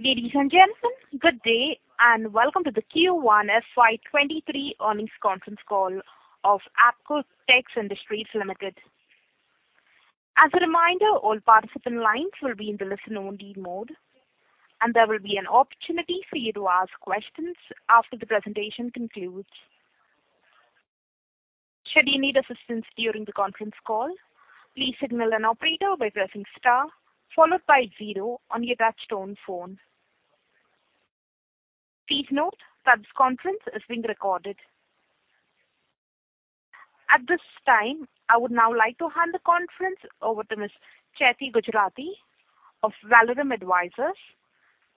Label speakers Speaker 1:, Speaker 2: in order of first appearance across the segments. Speaker 1: Ladies and gentlemen, good day, and welcome to the Q1 FY 2023 earnings conference call of Apcotex Industries Limited. As a reminder, all participant lines will be in the listen-only mode, and there will be an opportunity for you to ask questions after the presentation concludes. Should you need assistance during the conference call, please signal an operator by pressing star followed by zero on your touch-tone phone. Please note that this conference is being recorded. At this time, I would now like to hand the conference over to Ms. Chaiti Gujarati of Valorem Advisors.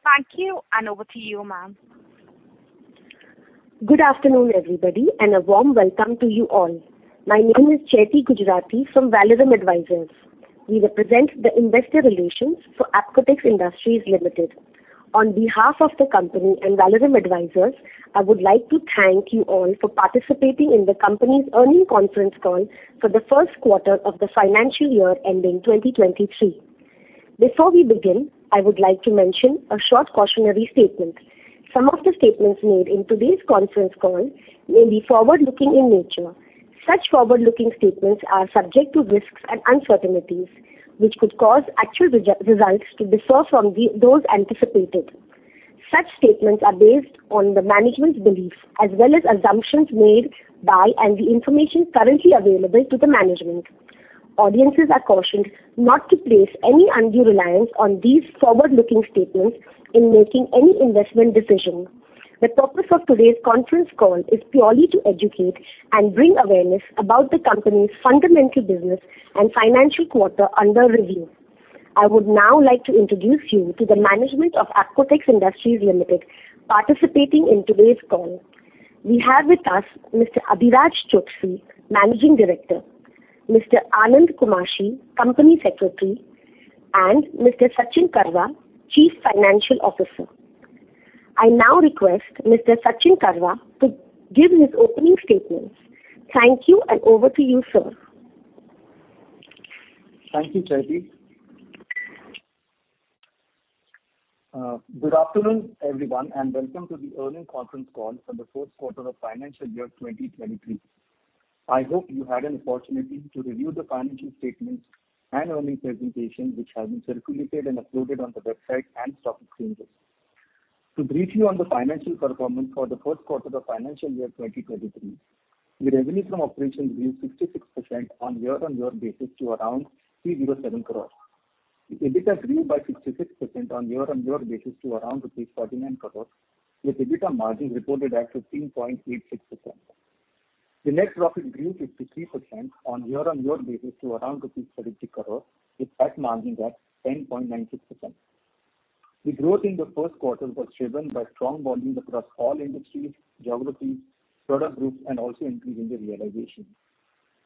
Speaker 1: Thank you, and over to you, ma'am.
Speaker 2: Good afternoon, everybody, and a warm welcome to you all. My name is Chaiti Gujarati from Valorem Advisors. We represent the investor relations for Apcotex Industries Limited. On behalf of the company and Valorem Advisors, I would like to thank you all for participating in the company's earnings conference call for the first quarter of the financial year ending 2023. Before we begin, I would like to mention a short cautionary statement. Some of the statements made in today's conference call may be forward-looking in nature. Such forward-looking statements are subject to risks and uncertainties which could cause actual results to differ from those anticipated. Such statements are based on the management's belief as well as assumptions made by and the information currently available to the management. Audiences are cautioned not to place any undue reliance on these forward-looking statements in making any investment decision. The purpose of today's conference call is purely to educate and bring awareness about the company's fundamental business and financial quarter under review. I would now like to introduce you to the management of Apcotex Industries Limited participating in today's call. We have with us Mr. Abhiraj Choksey, Managing Director, Mr. Anand Kumashi, Company Secretary, and Mr. Sachin Karwa, Chief Financial Officer. I now request Mr. Sachin Karwa to give his opening statements. Thank you, and over to you, sir.
Speaker 3: Thank you, Chaiti. Good afternoon, everyone, and welcome to the earnings conference call for the fourth quarter of financial year 2023. I hope you had an opportunity to review the financial statements and earnings presentation, which has been circulated and uploaded on the website and stock exchanges. To brief you on the financial performance for the first quarter of financial year 2023, the revenue from operations grew 66% on year-on-year basis to around 307 crore. EBITDA grew by 66% on year-on-year basis to around rupees 39 crore, with EBITDA margin reported at 15.86%. The net profit grew 53% on year-on-year basis to around rupees 33 crore, with tax margin at 10.96%. The growth in the first quarter was driven by strong volumes across all industries, geographies, product groups, and also increase in the realization.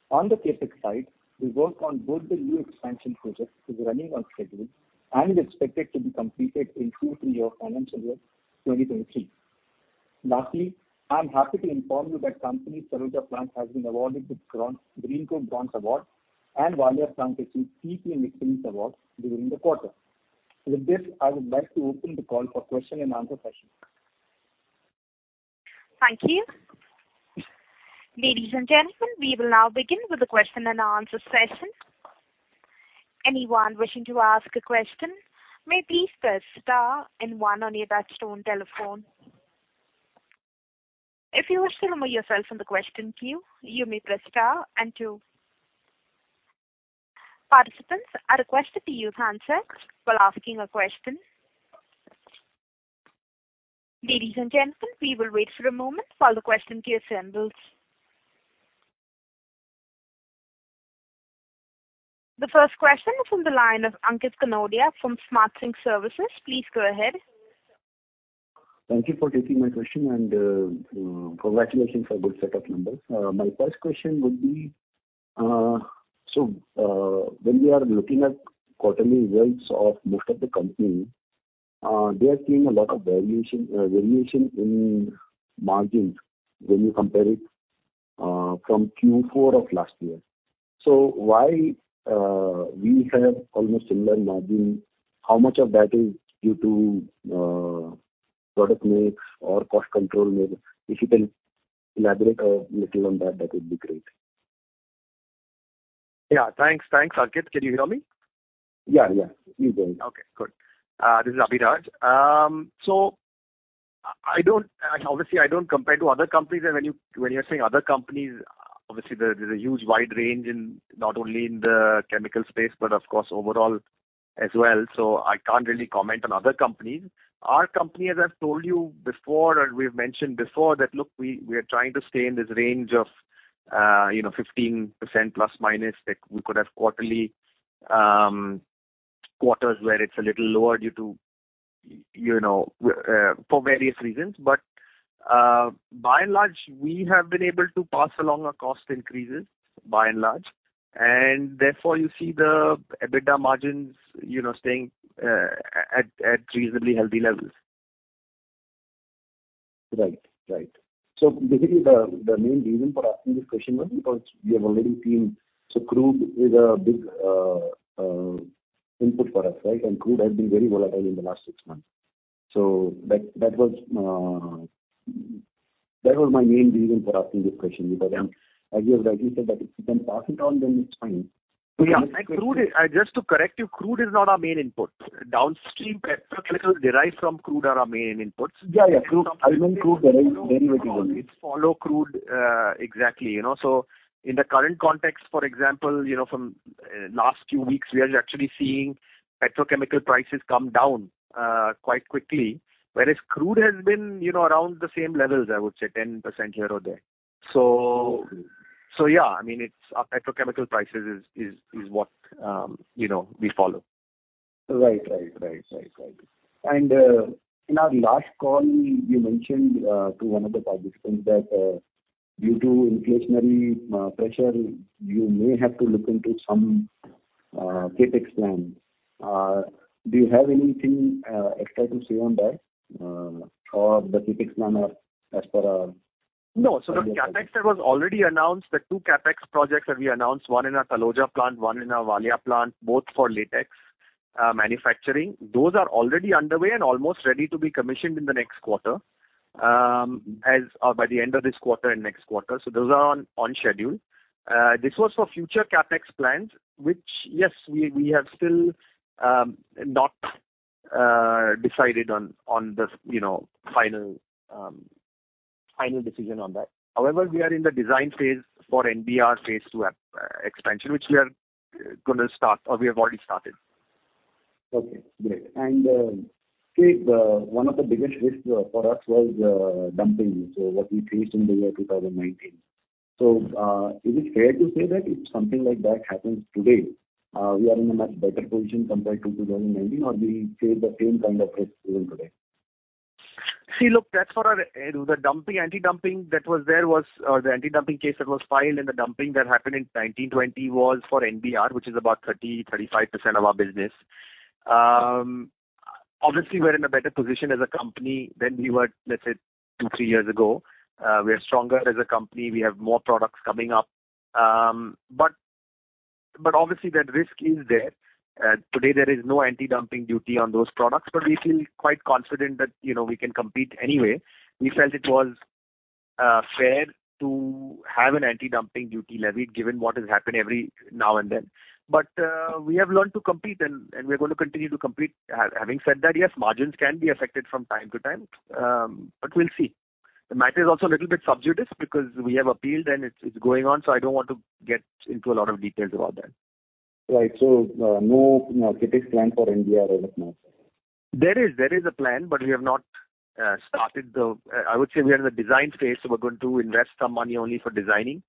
Speaker 3: On the CapEx side, the work on both the new expansion projects is running on schedule and is expected to be completed in full through your financial year 2023. Lastly, I'm happy to inform you that the company's Taloja plant has been awarded the award and Valia plant received CII Excellence Award during the quarter. With this, I would like to open the call for question and answer session.
Speaker 2: Thank you. Ladies and gentlemen, we will now begin with the question and answer session. Anyone wishing to ask a question may please press star and one on your touchtone telephone. If you wish to remove yourself from the question queue, you may press star and two. Participants are requested to use handsets while asking a question. Ladies and gentlemen, we will wait for a moment while the question queue assembles. The first question is from the line of Ankit Kanodia from Smart Sync Services. Please go ahead.
Speaker 4: Thank you for taking my question and, congratulations for good set of numbers. My first question would be, so, when we are looking at quarterly results of most of the companies, they are seeing a lot of variation in margins when you compare it from Q4 of last year. Why we have almost similar margin? How much of that is due to product mix or cost control measures? If you can elaborate a little on that would be great.
Speaker 5: Yeah, thanks. Thanks, Ankit. Can you hear me?
Speaker 4: Yeah, yeah. You go ahead.
Speaker 5: Okay, good. This is Abhiraj. Obviously, I don't compare to other companies. When you're saying other companies, obviously there's a huge wide range not only in the chemical space but of course overall as well. I can't really comment on other companies. Our company, as I've told you before, and we've mentioned before that, look, we are trying to stay in this range of, you know, 15% ±. Like, we could have quarterly quarters where it's a little lower due to, you know, for various reasons. By and large, we have been able to pass along our cost increases, by and large, and therefore you see the EBITDA margins, you know, staying at reasonably healthy levels.
Speaker 4: Basically, the main reason for asking this question was because we have already seen, so crude is a big input for us, right? Crude has been very volatile in the last six months. That was my main reason for asking this question because, as you have rightly said that if you can pass it on, then it's fine.
Speaker 5: Yeah. Like, just to correct you, crude is not our main input. Downstream petrochemicals derived from crude are our main inputs.
Speaker 4: Yeah, yeah. Crude, I mean, crude drives very, very little.
Speaker 5: It follows crude exactly, you know. In the current context, for example, you know, from last few weeks, we are actually seeing petrochemical prices come down quite quickly. Whereas crude has been, you know, around the same levels, I would say 10% here or there. Yeah, I mean, it's our petrochemical prices is what, you know, we follow.
Speaker 4: Right. In our last call you mentioned to one of the participants that due to inflationary pressure you may have to look into some CapEx plans. Do you have anything extra to say on that? Or the CapEx plan are as per our-
Speaker 5: No. The CapEx that was already announced, the two CapEx projects that we announced, one in our Taloja plant, one in our Valia plant, both for latex manufacturing. Those are already underway and almost ready to be commissioned in the next quarter, as or by the end of this quarter and next quarter. Those are on schedule. This was for future CapEx plans, which yes, we have still not decided on the so you know final decision on that. However, we are in the design phase for NBR phase two expansion, which we are gonna start or we have already started.
Speaker 4: Okay, great. See one of the biggest risks for us was dumping. What we faced in the year 2019. Is it fair to say that if something like that happens today, we are in a much better position compared to 2019 or we face the same kind of risk even today?
Speaker 5: See, look, that's for our the dumping, anti-dumping that was there, or the anti-dumping case that was filed and the dumping that happened in 1920 was for NBR, which is about 30%-35% of our business. Obviously we're in a better position as a company than we were, let's say, 2-3 years ago. We are stronger as a company. We have more products coming up. But obviously that risk is there. Today there is no anti-dumping duty on those products, but we feel quite confident that, you know, we can compete anyway. We felt it was fair to have an anti-dumping duty levied given what has happened every now and then. We have learned to compete and we're gonna continue to compete. Having said that, yes, margins can be affected from time to time. We'll see. The matter is also a little bit subjective because we have appealed and it's going on, so I don't want to get into a lot of details about that.
Speaker 4: Right. No, you know, CapEx plan for NBR as of now.
Speaker 5: There is a plan, but we have not started. I would say we are in the design phase, so we're going to invest some money only for designing,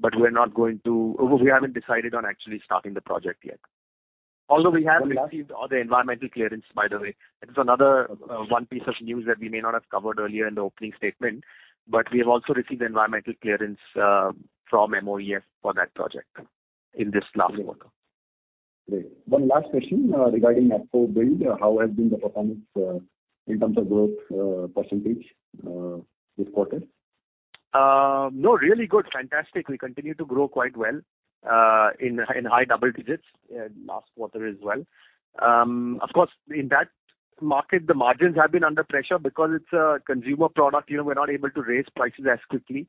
Speaker 5: but we're not going to. Well, we haven't decided on actually starting the project yet. Although we have received all the environmental clearance, by the way. That is another one piece of news that we may not have covered earlier in the opening statement, but we have also received the environmental clearance from MOEF for that project in this last quarter.
Speaker 4: Great. One last question, regarding ApcoBuild. How has been the performance, in terms of growth, percentage, this quarter?
Speaker 6: No, really good. Fantastic. We continue to grow quite well in high double digits last quarter as well. Of course, in that market, the margins have been under pressure because it's a consumer product, you know, we're not able to raise prices as quickly.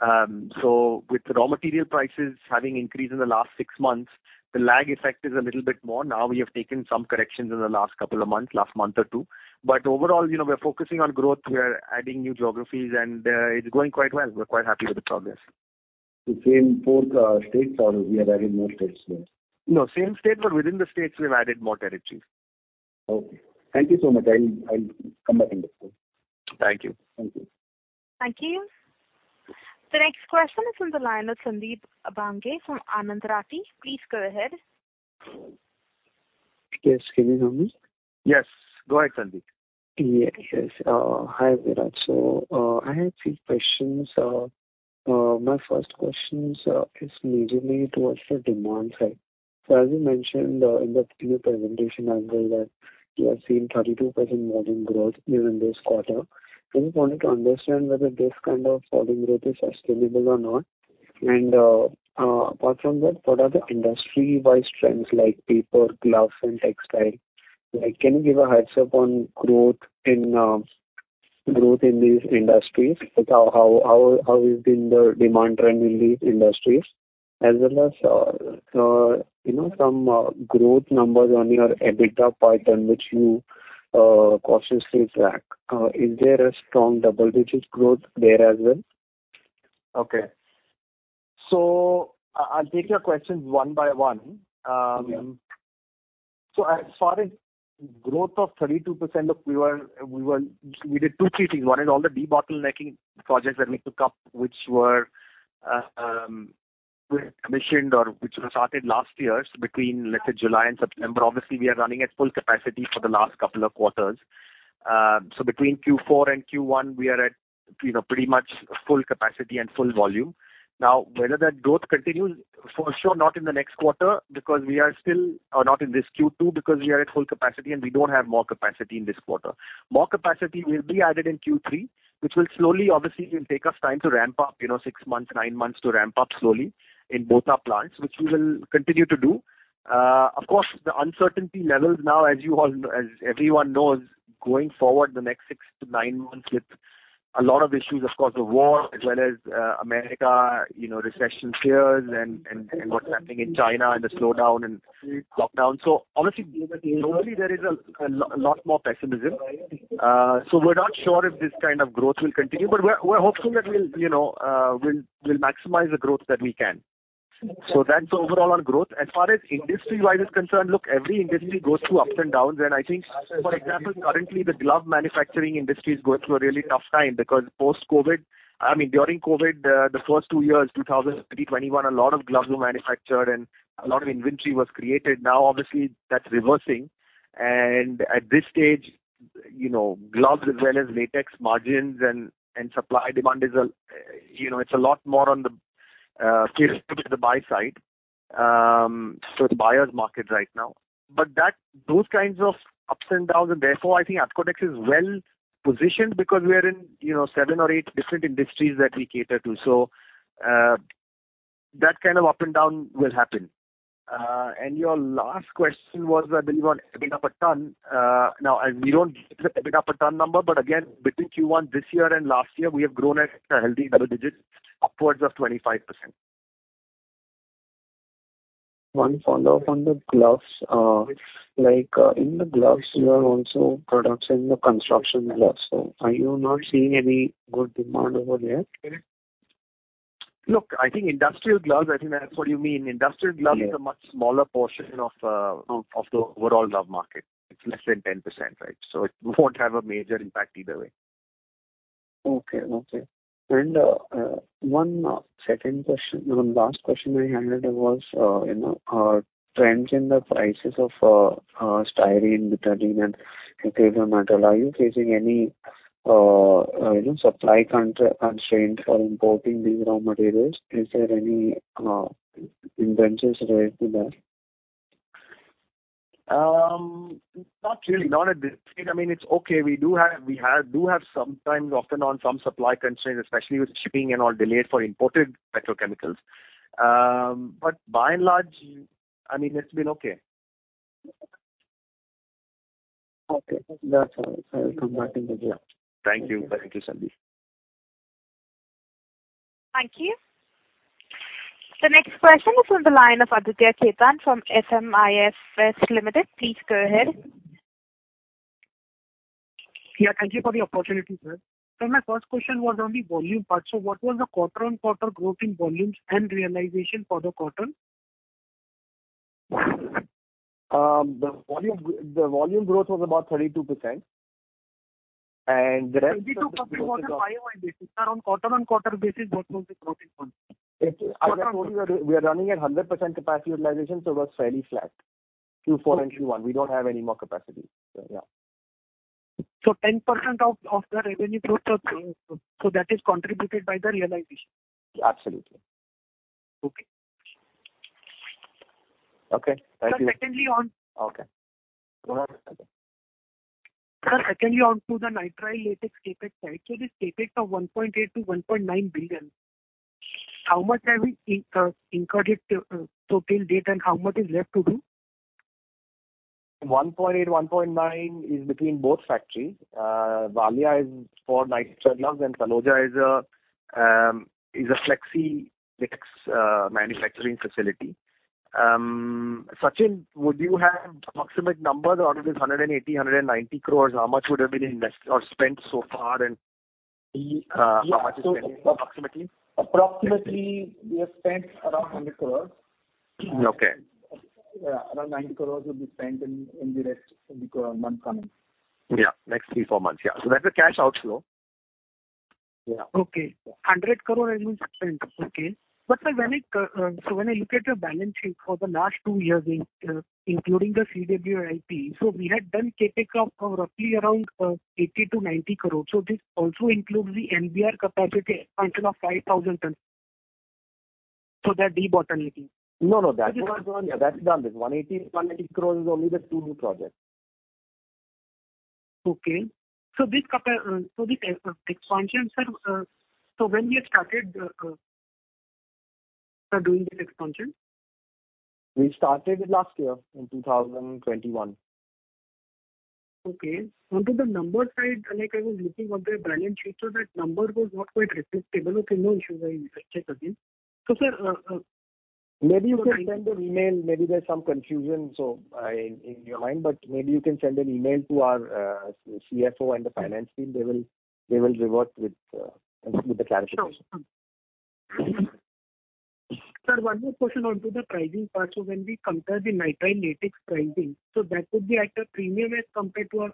Speaker 6: With raw material prices having increased in the last six months, the lag effect is a little bit more. Now, we have taken some corrections in the last couple of months, last month or two. Overall, you know, we're focusing on growth. We are adding new geographies and it's going quite well. We're quite happy with the progress.
Speaker 4: The same four states or we are adding more states there?
Speaker 5: No, same state, but within the states we've added more territories.
Speaker 4: Okay. Thank you so much. I'll come back in the call.
Speaker 5: Thank you.
Speaker 4: Thank you.
Speaker 1: Thank you. The next question is from the line of Sandeep Abhange from Anand Rathi. Please go ahead.
Speaker 7: Yes. Can you hear me?
Speaker 5: Yes. Go ahead, Sandeep.
Speaker 7: Yes. Hi, Abhiraj. I had few questions. My first question is majorly towards the demand side. As you mentioned, in your presentation as well that you have seen 32% volume growth during this quarter. Just wanted to understand whether this kind of volume growth is sustainable or not. Apart from that, what are the industry-wide trends like paper, glass, and textile? Like, can you give a heads up on growth in these industries? Like how has been the demand trend in these industries? As well as, you know, some growth numbers on your EBITDA pipeline which you cautiously track. Is there a strong double-digit growth there as well?
Speaker 5: Okay. I'll take your questions one by one.
Speaker 7: Yeah.
Speaker 5: As far as growth of 32%, look, we did two, three things. One is all the debottlenecking projects that we took up, which were commissioned or which were started last year between, let's say, July and September. Obviously, we are running at full capacity for the last couple of quarters. Between Q4 and Q1, we are at, you know, pretty much full capacity and full volume. Now, whether that growth continues, for sure not in the next quarter. Or not in this Q2 because we are at full capacity and we don't have more capacity in this quarter. More capacity will be added in Q3, which will slowly, obviously it will take us time to ramp up, you know, six months, nine months to ramp up slowly in both our plants, which we will continue to do. Of course, the uncertainty levels now as you all know, as everyone knows, going forward the next six to nine months with a lot of issues, of course, the war as well as America, you know, recession fears and what's happening in China and the slowdown and lockdown. Obviously globally there is a lot more pessimism. We're not sure if this kind of growth will continue, but we're hoping that we'll, you know, we'll maximize the growth that we can. That's overall our growth. As far as industry-wide is concerned, look, every industry goes through ups and downs, and I think for example currently the glove manufacturing industry is going through a really tough time because post-COVID I mean, during COVID, the first two years, 2020, 2021, a lot of gloves were manufactured and a lot of inventory was created. Now obviously that's reversing and at this stage, you know, gloves as well as latex margins and supply demand is, you know, a lot more on the favored to the buy side. It's buyer's market right now. That, those kinds of ups and downs and therefore I think Apcotex is well-positioned because we are in, you know, 7 or 8 different industries that we cater to. That kind of up and down will happen. Your last question was, I believe, on EBITDA per tonne. Now we don't give the EBITDA per tonne number, but again between Q1 this year and last year we have grown at a healthy double digits upwards of 25%.
Speaker 7: One follow-up on the gloves. Like, in the gloves you have also products in the construction gloves. Are you not seeing any good demand over there?
Speaker 5: Look, I think industrial gloves. I think that's what you mean.
Speaker 7: Yeah.
Speaker 5: is a much smaller portion of the overall glove market. It's less than 10%, right? It won't have a major impact either way.
Speaker 7: One last question I had was, you know, trends in the prices of styrene, butadiene, and acrylonitrile. Are you facing any, you know, supply constraints for importing these raw materials? Is there any influences related to that?
Speaker 5: Not really. Not at this stage. I mean it's okay. We do have sometimes often on some supply constraints, especially with shipping and all delays for imported petrochemicals. But by and large, I mean it's been okay.
Speaker 7: Okay. That's all. I will come back in the day.
Speaker 5: Thank you. Thank you, Sandeep.
Speaker 1: Thank you. The next question is from the line of Aditya Khetan from SMIFS Limited. Please go ahead.
Speaker 8: Yeah, thank you for the opportunity, sir. My first question was on the volume part. What was the quarter-on-quarter growth in volumes and realization for the quarter?
Speaker 5: The volume growth was about 32%. The rest
Speaker 8: 32% was on year-over-year basis. On quarter-over-quarter basis what was the growth in volume?
Speaker 5: As I told you, we are running at 100% capacity utilization, so it was fairly flat. Q4 and Q1. We don't have any more capacity. Yeah.
Speaker 8: 10% of the revenue growth, so that is contributed by the realization?
Speaker 5: Absolutely.
Speaker 8: Okay.
Speaker 5: Okay. Thank you.
Speaker 8: Sir, secondly on.
Speaker 5: Okay. Go ahead, Aditya.
Speaker 8: Sir, secondly on to the Nitrile Latex CapEx side. This CapEx of 1.8 billion-1.9 billion, how much have you incurred it to till date and how much is left to do?
Speaker 5: 1.8, 1.9 is between both factories. Valia is for nitrile gloves and Taloja is a flexi mix manufacturing facility. Sachin, would you have approximate numbers out of this 180 -190 crore, how much would have been invested or spent so far and, how much is pending approximately?
Speaker 3: Approximately, we have spent around 100 crore.
Speaker 5: Okay.
Speaker 3: Around 90 crores will be spent in the rest of the quarter, months coming.
Speaker 5: Yeah, next 3-4 months. Yeah. That's the cash outflow.
Speaker 3: Yeah.
Speaker 8: INR 100 crore has been spent. Sir, when I look at your balance sheet for the last two years, including the CWIP, we had done CapEx of roughly around 80 crore - 90 crores. This also includes the NBR capacity expansion of 5,000 tons. That we bought only.
Speaker 5: No, no. That's done. Yeah, that's done. This 180, 180 crores is only the two new projects.
Speaker 8: Okay. The expansion, sir, so when you had started doing this expansion?
Speaker 5: We started it last year in 2021.
Speaker 8: Okay. On to the number side, like I was looking on the balance sheet, so that number was not quite visible. Okay, no issues. I'll check again. Sir
Speaker 5: Maybe you can send an email. Maybe there's some confusion, so, in your mind, but maybe you can send an email to our CFO and the finance team. They will revert with the clarification.
Speaker 8: Sure. Sir, one more question on to the pricing part. When we compare the Nitrile Latex pricing, so that could be at a premium as compared to our,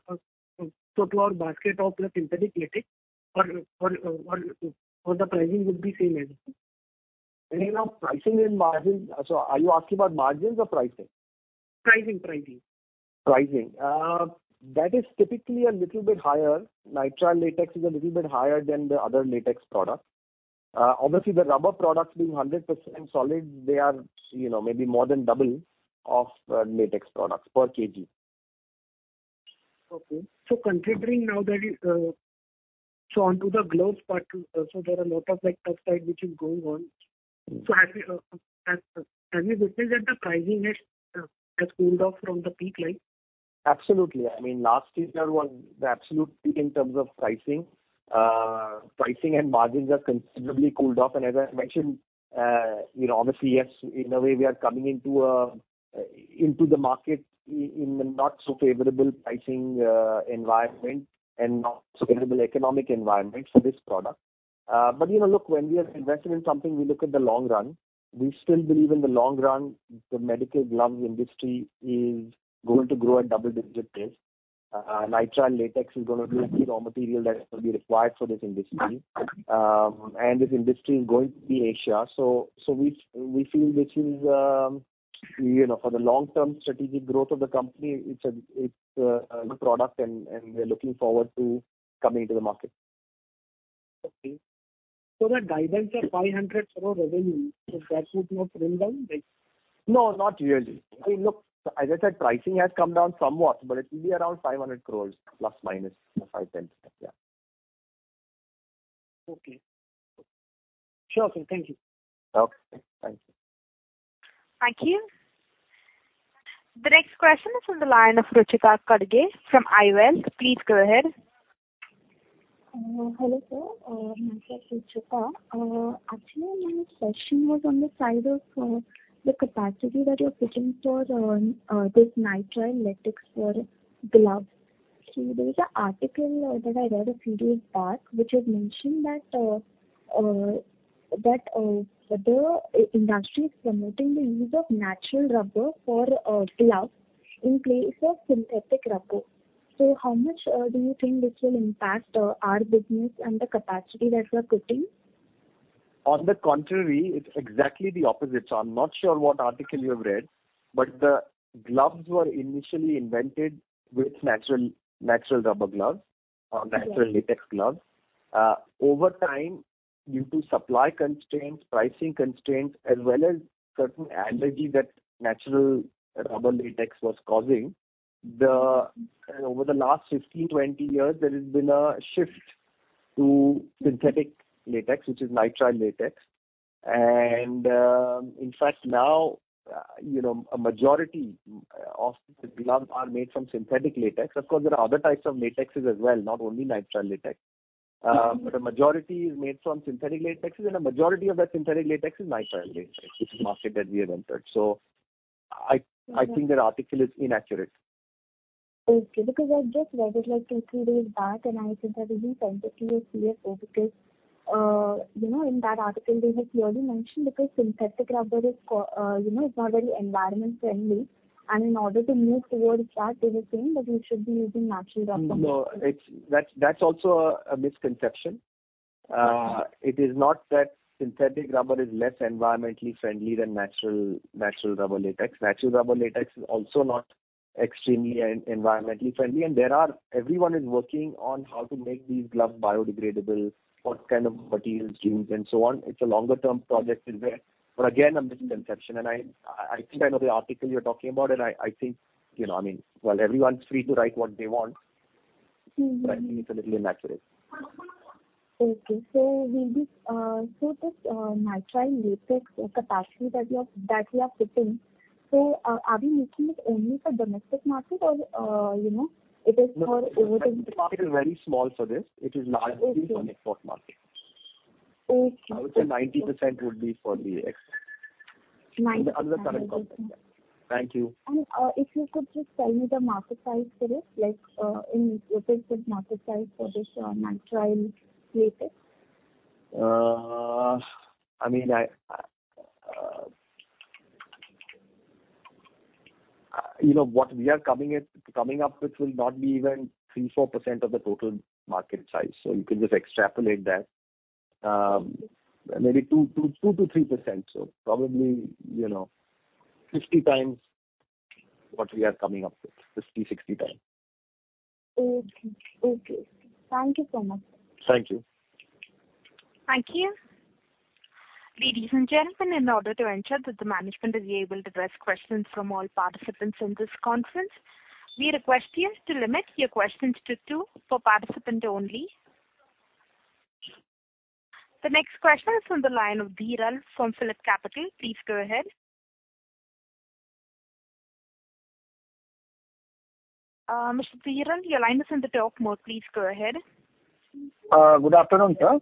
Speaker 8: so to our basket of the synthetic latex or the pricing would be same as it?
Speaker 5: You know, pricing and margin. Are you asking about margins or pricing?
Speaker 8: Pricing.
Speaker 5: Pricing. That is typically a little bit higher. Nitrile Latex is a little bit higher than the other latex products. Obviously the rubber products being 100% solid, they are, you know, maybe more than double of latex products per kg.
Speaker 8: Onto the gloves part, there are a lot of, like, tough side which is going on. Have you witnessed that the pricing has cooled off from the peak line?
Speaker 5: Absolutely. I mean, last year was the absolute peak in terms of pricing. Pricing and margins have considerably cooled off. As I mentioned, you know, obviously, yes, in a way, we are coming into the market in a not so favorable pricing environment and not so favorable economic environment for this product. You know, look, when we are investing in something, we look at the long run. We still believe in the long run, the medical gloves industry is going to grow at double-digit pace. Nitrile Latex is gonna be the raw material that will be required for this industry. This industry is going to be Asia. We feel this is, you know, for the long-term strategic growth of the company, it's a product and we're looking forward to coming to the market.
Speaker 8: Okay. The guidance of 500 for revenue, that would not bring down the-
Speaker 5: No, not really. I mean, look, as I said, pricing has come down somewhat, but it will be around 500 crores ±5-10, you know. Yeah.
Speaker 8: Okay. Sure thing. Thank you.
Speaker 5: Okay. Thank you.
Speaker 1: Thank you. The next question is from the line of Rucheeta Kadge from IIFL. Please go ahead.
Speaker 9: Hello, sir. My name is Rucheeta. Actually my question was on the side of the capacity that you're putting for this Nitrile Latex for gloves. There is an article that I read a few days back, which has mentioned that the industry is promoting the use of natural rubber for gloves in place of synthetic rubber. How much do you think this will impact our business and the capacity that we're putting?
Speaker 5: On the contrary, it's exactly the opposite. I'm not sure what article you have read, but the gloves were initially invented with natural rubber gloves.
Speaker 9: Yes.
Speaker 5: or natural latex gloves. Over time, due to supply constraints, pricing constraints, as well as certain allergy that natural rubber latex was causing, the over the last 15, 20 years, there has been a shift to synthetic latex, which is Nitrile Latex. In fact now, you know, a majority of the gloves are made from synthetic latex. Of course, there are other types of latexes as well, not only Nitrile Latex.
Speaker 9: Mm-hmm.
Speaker 5: A majority is made from synthetic latexes, and a majority of that synthetic latex is Nitrile Latex. It's a market that we have entered. I think that article is inaccurate.
Speaker 9: Okay, because I just read it like two, three days back, and I think I even sent it to your CFO because, you know, in that article they had clearly mentioned because synthetic rubber is, you know, it's not very environmentally friendly, and in order to move towards that, they were saying that we should be using natural rubber.
Speaker 5: No, that's also a misconception.
Speaker 9: Okay.
Speaker 5: It is not that synthetic rubber is less environmentally friendly than natural rubber latex. Natural rubber latex is also not extremely environmentally friendly. Everyone is working on how to make these gloves biodegradable, what kind of materials used and so on. It's a longer-term project in there. Again, a misconception. I think I know the article you're talking about, and I think, you know what I mean. Well, everyone's free to write what they want. I think it's a little inaccurate.
Speaker 9: This Nitrile Latex capacity that we are putting, so are we making it only for domestic market or, you know, it is for overseas?
Speaker 5: Domestic market is very small for this. It is largely for export market.
Speaker 9: Okay.
Speaker 5: I would say 90% would be for the export.
Speaker 9: 90%.
Speaker 5: Under the current context. Thank you.
Speaker 9: What is the market size for this Nitrile Latex?
Speaker 5: You know, what we are coming up with will not be even 3%-4% of the total market size. You can just extrapolate that. Maybe 2%-3%. Probably, you know, 50 times what we are coming up with, 50-60 times.
Speaker 9: Okay. Thank you so much.
Speaker 5: Thank you.
Speaker 1: Thank you. Ladies and gentlemen, in order to ensure that the management is able to address questions from all participants in this conference, we request you to limit your questions to two per participant only. The next question is from the line of Dhaval from PhillipCapital. Please go ahead. Mr. Dhaval, your line is on the talk mode. Please go ahead.
Speaker 10: Good afternoon, sir.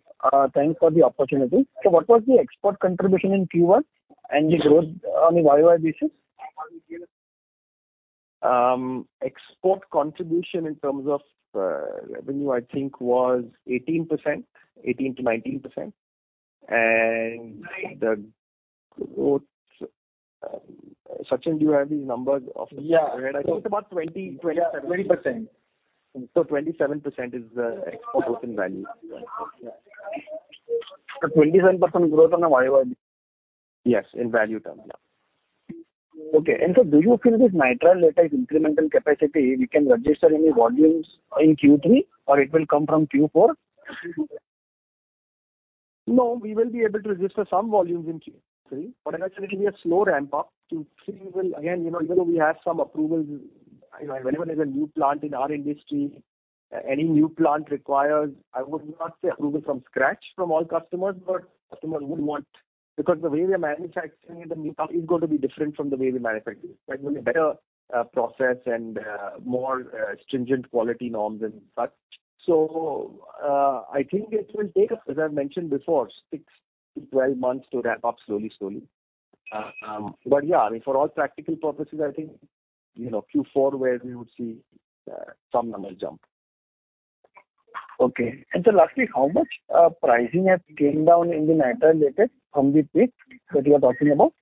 Speaker 10: Thanks for the opportunity. What was the export contribution in Q1 and the growth on a YOY basis?
Speaker 5: Export contribution in terms of revenue I think was 18%, 18%-19%. The growth, Sachin, do you have these numbers of-
Speaker 10: Yeah.
Speaker 5: When I talk about 2027.
Speaker 10: Yeah, 20%.
Speaker 5: 27% is the export book in value.
Speaker 10: Yeah. 27% growth on a YOY.
Speaker 5: Yes, in value terms.
Speaker 10: Okay. Do you feel this Nitrile Latex incremental capacity, we can register any volumes in Q3 or it will come from Q4?
Speaker 5: No, we will be able to register some volumes in Q3. As I said, it will be a slow ramp up. Q3 will again, you know, even though we have some approvals, you know, whenever there's a new plant in our industry, any new plant requires, I would not say approval from scratch from all customers, but customers would want. Because the way we are manufacturing the material is going to be different from the way we manufacture. It's going to be a better process and more stringent quality norms and such. I think it will take, as I've mentioned before, 6 to 12 months to ramp up slowly. Yeah, I mean, for all practical purposes, I think, you know, Q4 where we would see some numbers jump.
Speaker 10: Okay. Lastly, how much pricing has came down in the Nitrile Latex from the peak that you are talking about?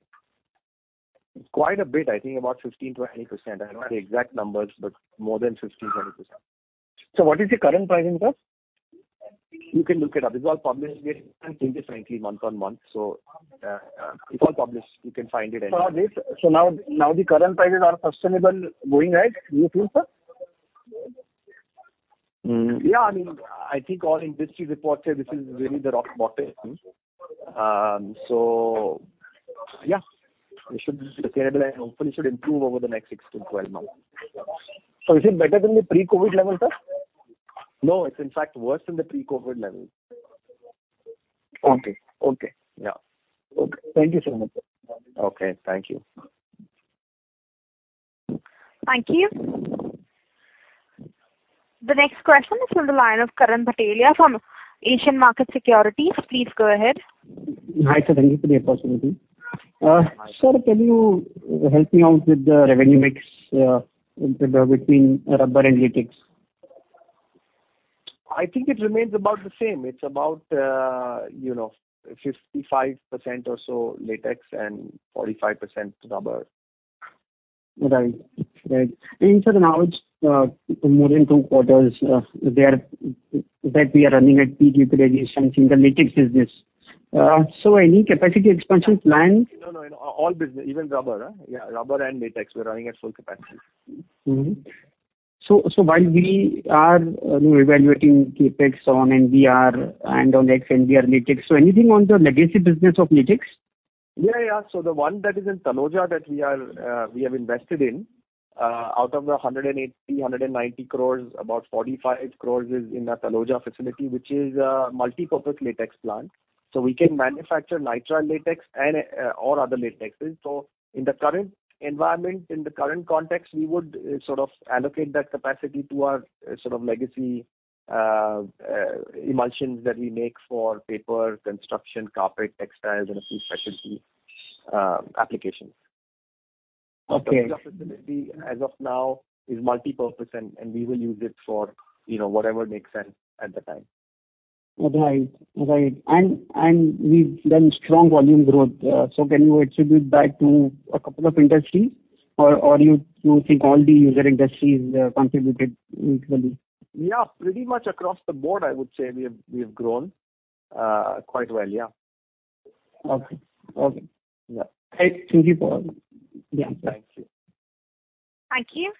Speaker 5: Quite a bit. I think about 15%-20%. I don't have the exact numbers, but more than 15%-20%.
Speaker 10: What is the current pricing, sir?
Speaker 5: You can look it up. It's all published. We're increasing it frankly month-on-month, so, it's all published. You can find it anywhere.
Speaker 10: Now the current prices are sustainable going ahead, do you feel, sir?
Speaker 5: I mean, I think all industry reports say this is really the rock bottom. Yeah, it should be sustainable and hopefully should improve over the next 6-12 months.
Speaker 10: Is it better than the pre-COVID level, sir?
Speaker 5: No, it's in fact worse than the pre-COVID level.
Speaker 10: Okay.
Speaker 5: Yeah.
Speaker 10: Okay. Thank you so much, sir.
Speaker 5: Okay, thank you.
Speaker 1: Thank you. The next question is from the line of Karan Bhatelia from Asian Markets Securities. Please go ahead.
Speaker 11: Hi, sir, thank you for the opportunity. Sir, can you help me out with the revenue mix, between rubber and latex?
Speaker 5: I think it remains about the same. It's about, you know, 55% or so latex and 45% rubber.
Speaker 11: Right. Sir, now it's more than second quarters there that we are running at peak utilization in the latex business. Any capacity expansion plans?
Speaker 5: No, no. In all business, even rubber, yeah, rubber and latex, we're running at full capacity.
Speaker 11: While we are evaluating CapEx on NBR and on SBR latex. Anything on the legacy business of latex?
Speaker 5: Yeah, yeah. The one that is in Taloja that we have invested in, out of the 190 crores, about 45 crores is in that Taloja facility, which is a multi-purpose latex plant. We can manufacture Nitrile Latex and, or other latexes. In the current environment, in the current context, we would sort of allocate that capacity to our sort of legacy emulsions that we make for paper, construction, carpet, textiles and a few specialty applications.
Speaker 11: Okay.
Speaker 5: Taloja facility as of now is multipurpose and we will use it for, you know, whatever makes sense at the time.
Speaker 11: Right. We've done strong volume growth. Can you attribute back to a couple of industries or you think all the user industries contributed equally?
Speaker 5: Yeah, pretty much across the board, I would say we have grown quite well, yeah.
Speaker 11: Okay. Yeah. Thank you for.
Speaker 5: Yeah. Thank you.
Speaker 1: Thank you.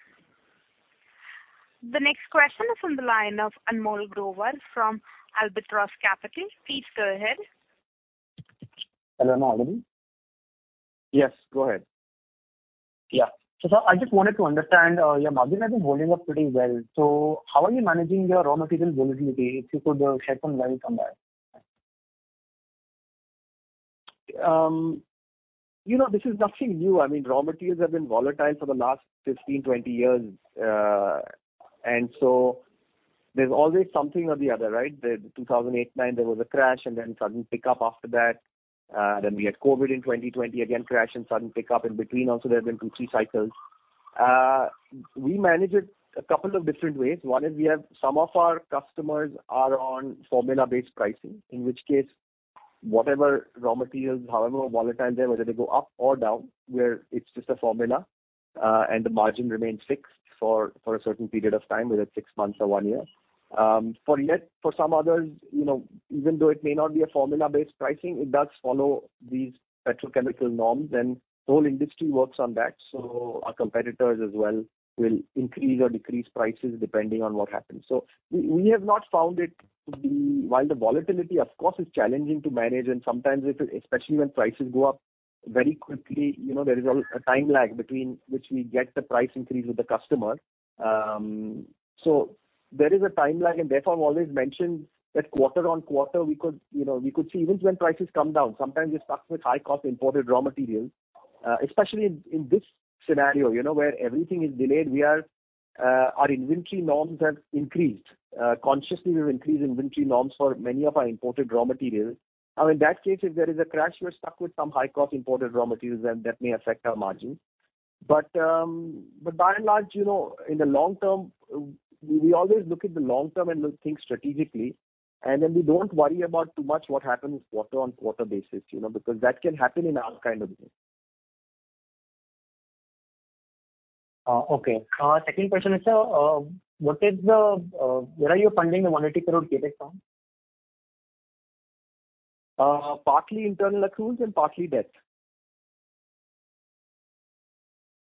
Speaker 1: The next question is from the line of Anmol Grover from Albatross Capital. Please go ahead.
Speaker 12: Hello, Anmol Grover.
Speaker 5: Yes, go ahead.
Speaker 12: Yeah. Sir, I just wanted to understand, your margin has been holding up pretty well. How are you managing your raw material volatility, if you could shed some light on that?
Speaker 5: You know, this is nothing new. I mean, raw materials have been volatile for the last 15, 20 years. There's always something or the other, right? In 2008-2K09 there was a crash and then sudden pickup after that. Then we had COVID in 2020, again crash and sudden pickup. In between also there have been two, three cycles. We manage it a couple of different ways. One is we have some of our customers are on formula-based pricing, in which case whatever raw materials, however volatile they are, whether they go up or down, it's just a formula, and the margin remains fixed for a certain period of time, whether it's six months or one year. For some others, you know, even though it may not be a formula-based pricing, it does follow these petrochemical norms, and the whole industry works on that. Our competitors as well will increase or decrease prices depending on what happens. We have not found it to be. While the volatility, of course, is challenging to manage, and sometimes it, especially when prices go up very quickly, you know, there is a time lag between which we get the price increase with the customer. There is a time lag, and therefore I've always mentioned that quarter on quarter we could see even when prices come down, sometimes we're stuck with high cost imported raw materials, especially in this scenario, you know, where everything is delayed, we are our inventory norms have increased. Consciously we've increased inventory norms for many of our imported raw materials. Now in that case, if there is a crash, we're stuck with some high cost imported raw materials, then that may affect our margin. but by and large, you know, in the long term, we always look at the long term and we'll think strategically. We don't worry about too much what happens quarter-over-quarter basis, you know, because that can happen in all kind of business.
Speaker 12: Okay. Second question is, where are you funding the 100 crore CapEx from?
Speaker 5: Partly internal accruals and partly debt.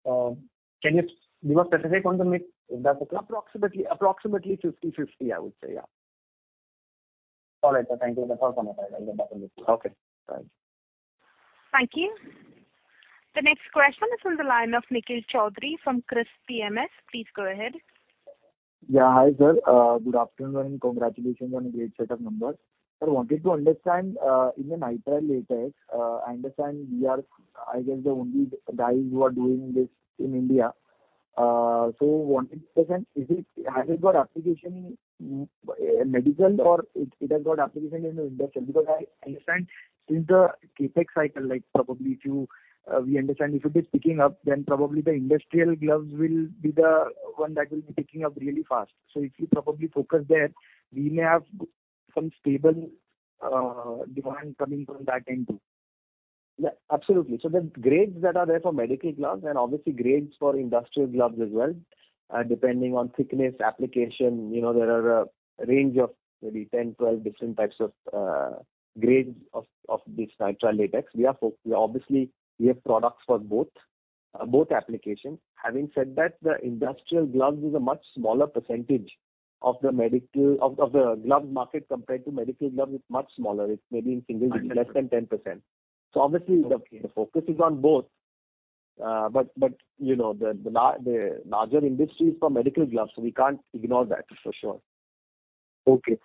Speaker 12: Can you be more specific on the mix if that's okay?
Speaker 5: Approximately 50/50, I would say. Yeah.
Speaker 12: All right, sir. Thank you. That's all from my side. I'll get back to you.
Speaker 5: Okay. Bye.
Speaker 1: Thank you. The next question is from the line of Nikhil Chowdhary from Kriis PMS. Please go ahead.
Speaker 13: Yeah. Hi, sir. Good afternoon, and congratulations on a great set of numbers. I wanted to understand in the Nitrile Latex, I understand we are, I guess, the only guys who are doing this in India. Wanted to understand, has it got application in medical or it has got application in the industrial? Because I understand since the CapEx cycle, like probably we understand if you'll be picking up, then probably the industrial gloves will be the one that will be picking up really fast. If you probably focus there, we may have some stable demand coming from that end too.
Speaker 5: Yeah, absolutely. There's grades that are there for medical gloves and obviously grades for industrial gloves as well, depending on thickness, application, you know, there are a range of maybe 10, 12 different types of grades of this Nitrile Latex. Obviously, we have products for both applications. Having said that, the industrial gloves is a much smaller percentage of the medical glove market compared to medical gloves, it's much smaller. It's maybe in single digit, less than 10%.
Speaker 13: Understood.
Speaker 5: Obviously the focus is on both. But you know, the larger industry is for medical gloves, so we can't ignore that for sure.
Speaker 13: Okay.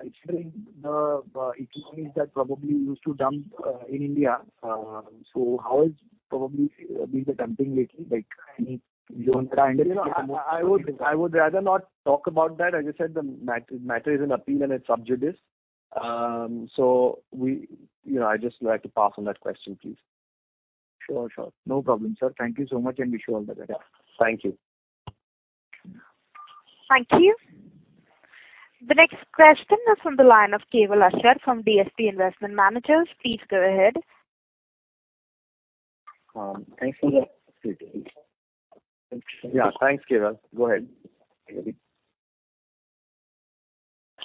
Speaker 13: Considering the economies that probably used to dump in India, so how is probably been the dumping lately? Like any
Speaker 5: You know, I would rather not talk about that. As I said, the matter is in appeal and it's sub judice. We, you know, I'd just like to pass on that question, please.
Speaker 13: Sure. No problem, sir. Thank you so much, and wish you all the best.
Speaker 5: Yeah. Thank you.
Speaker 1: Thank you. The next question is from the line of Kewal Asher from DSP Investment Managers. Please go ahead.
Speaker 5: Thanks. Yeah. Thanks, Kewal. Go ahead.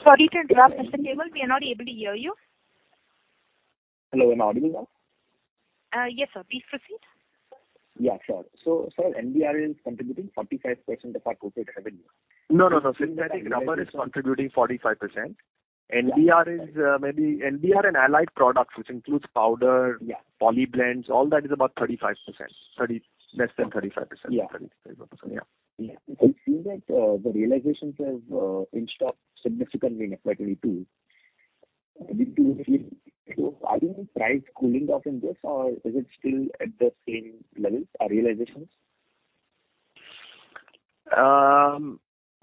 Speaker 1: Sorry to interrupt, Mr. Kewal. We are not able to hear you.
Speaker 14: Hello, am I audible now?
Speaker 1: Yes, sir. Please proceed.
Speaker 14: Yeah, sure. Sir, NBR is contributing 45% of our total revenue.
Speaker 5: No, no. Synthetic rubber is contributing 45%. NBR is maybe NBR and allied products, which includes powder.
Speaker 14: Yeah.
Speaker 5: Polyblends, all that is about 35%. Less than 35%.
Speaker 14: Yeah.
Speaker 5: 35%. Yeah.
Speaker 14: Yeah. It seems that the realizations have inched up significantly in FY 2022. Are your prices cooling off in this or is it still at the same levels, realizations?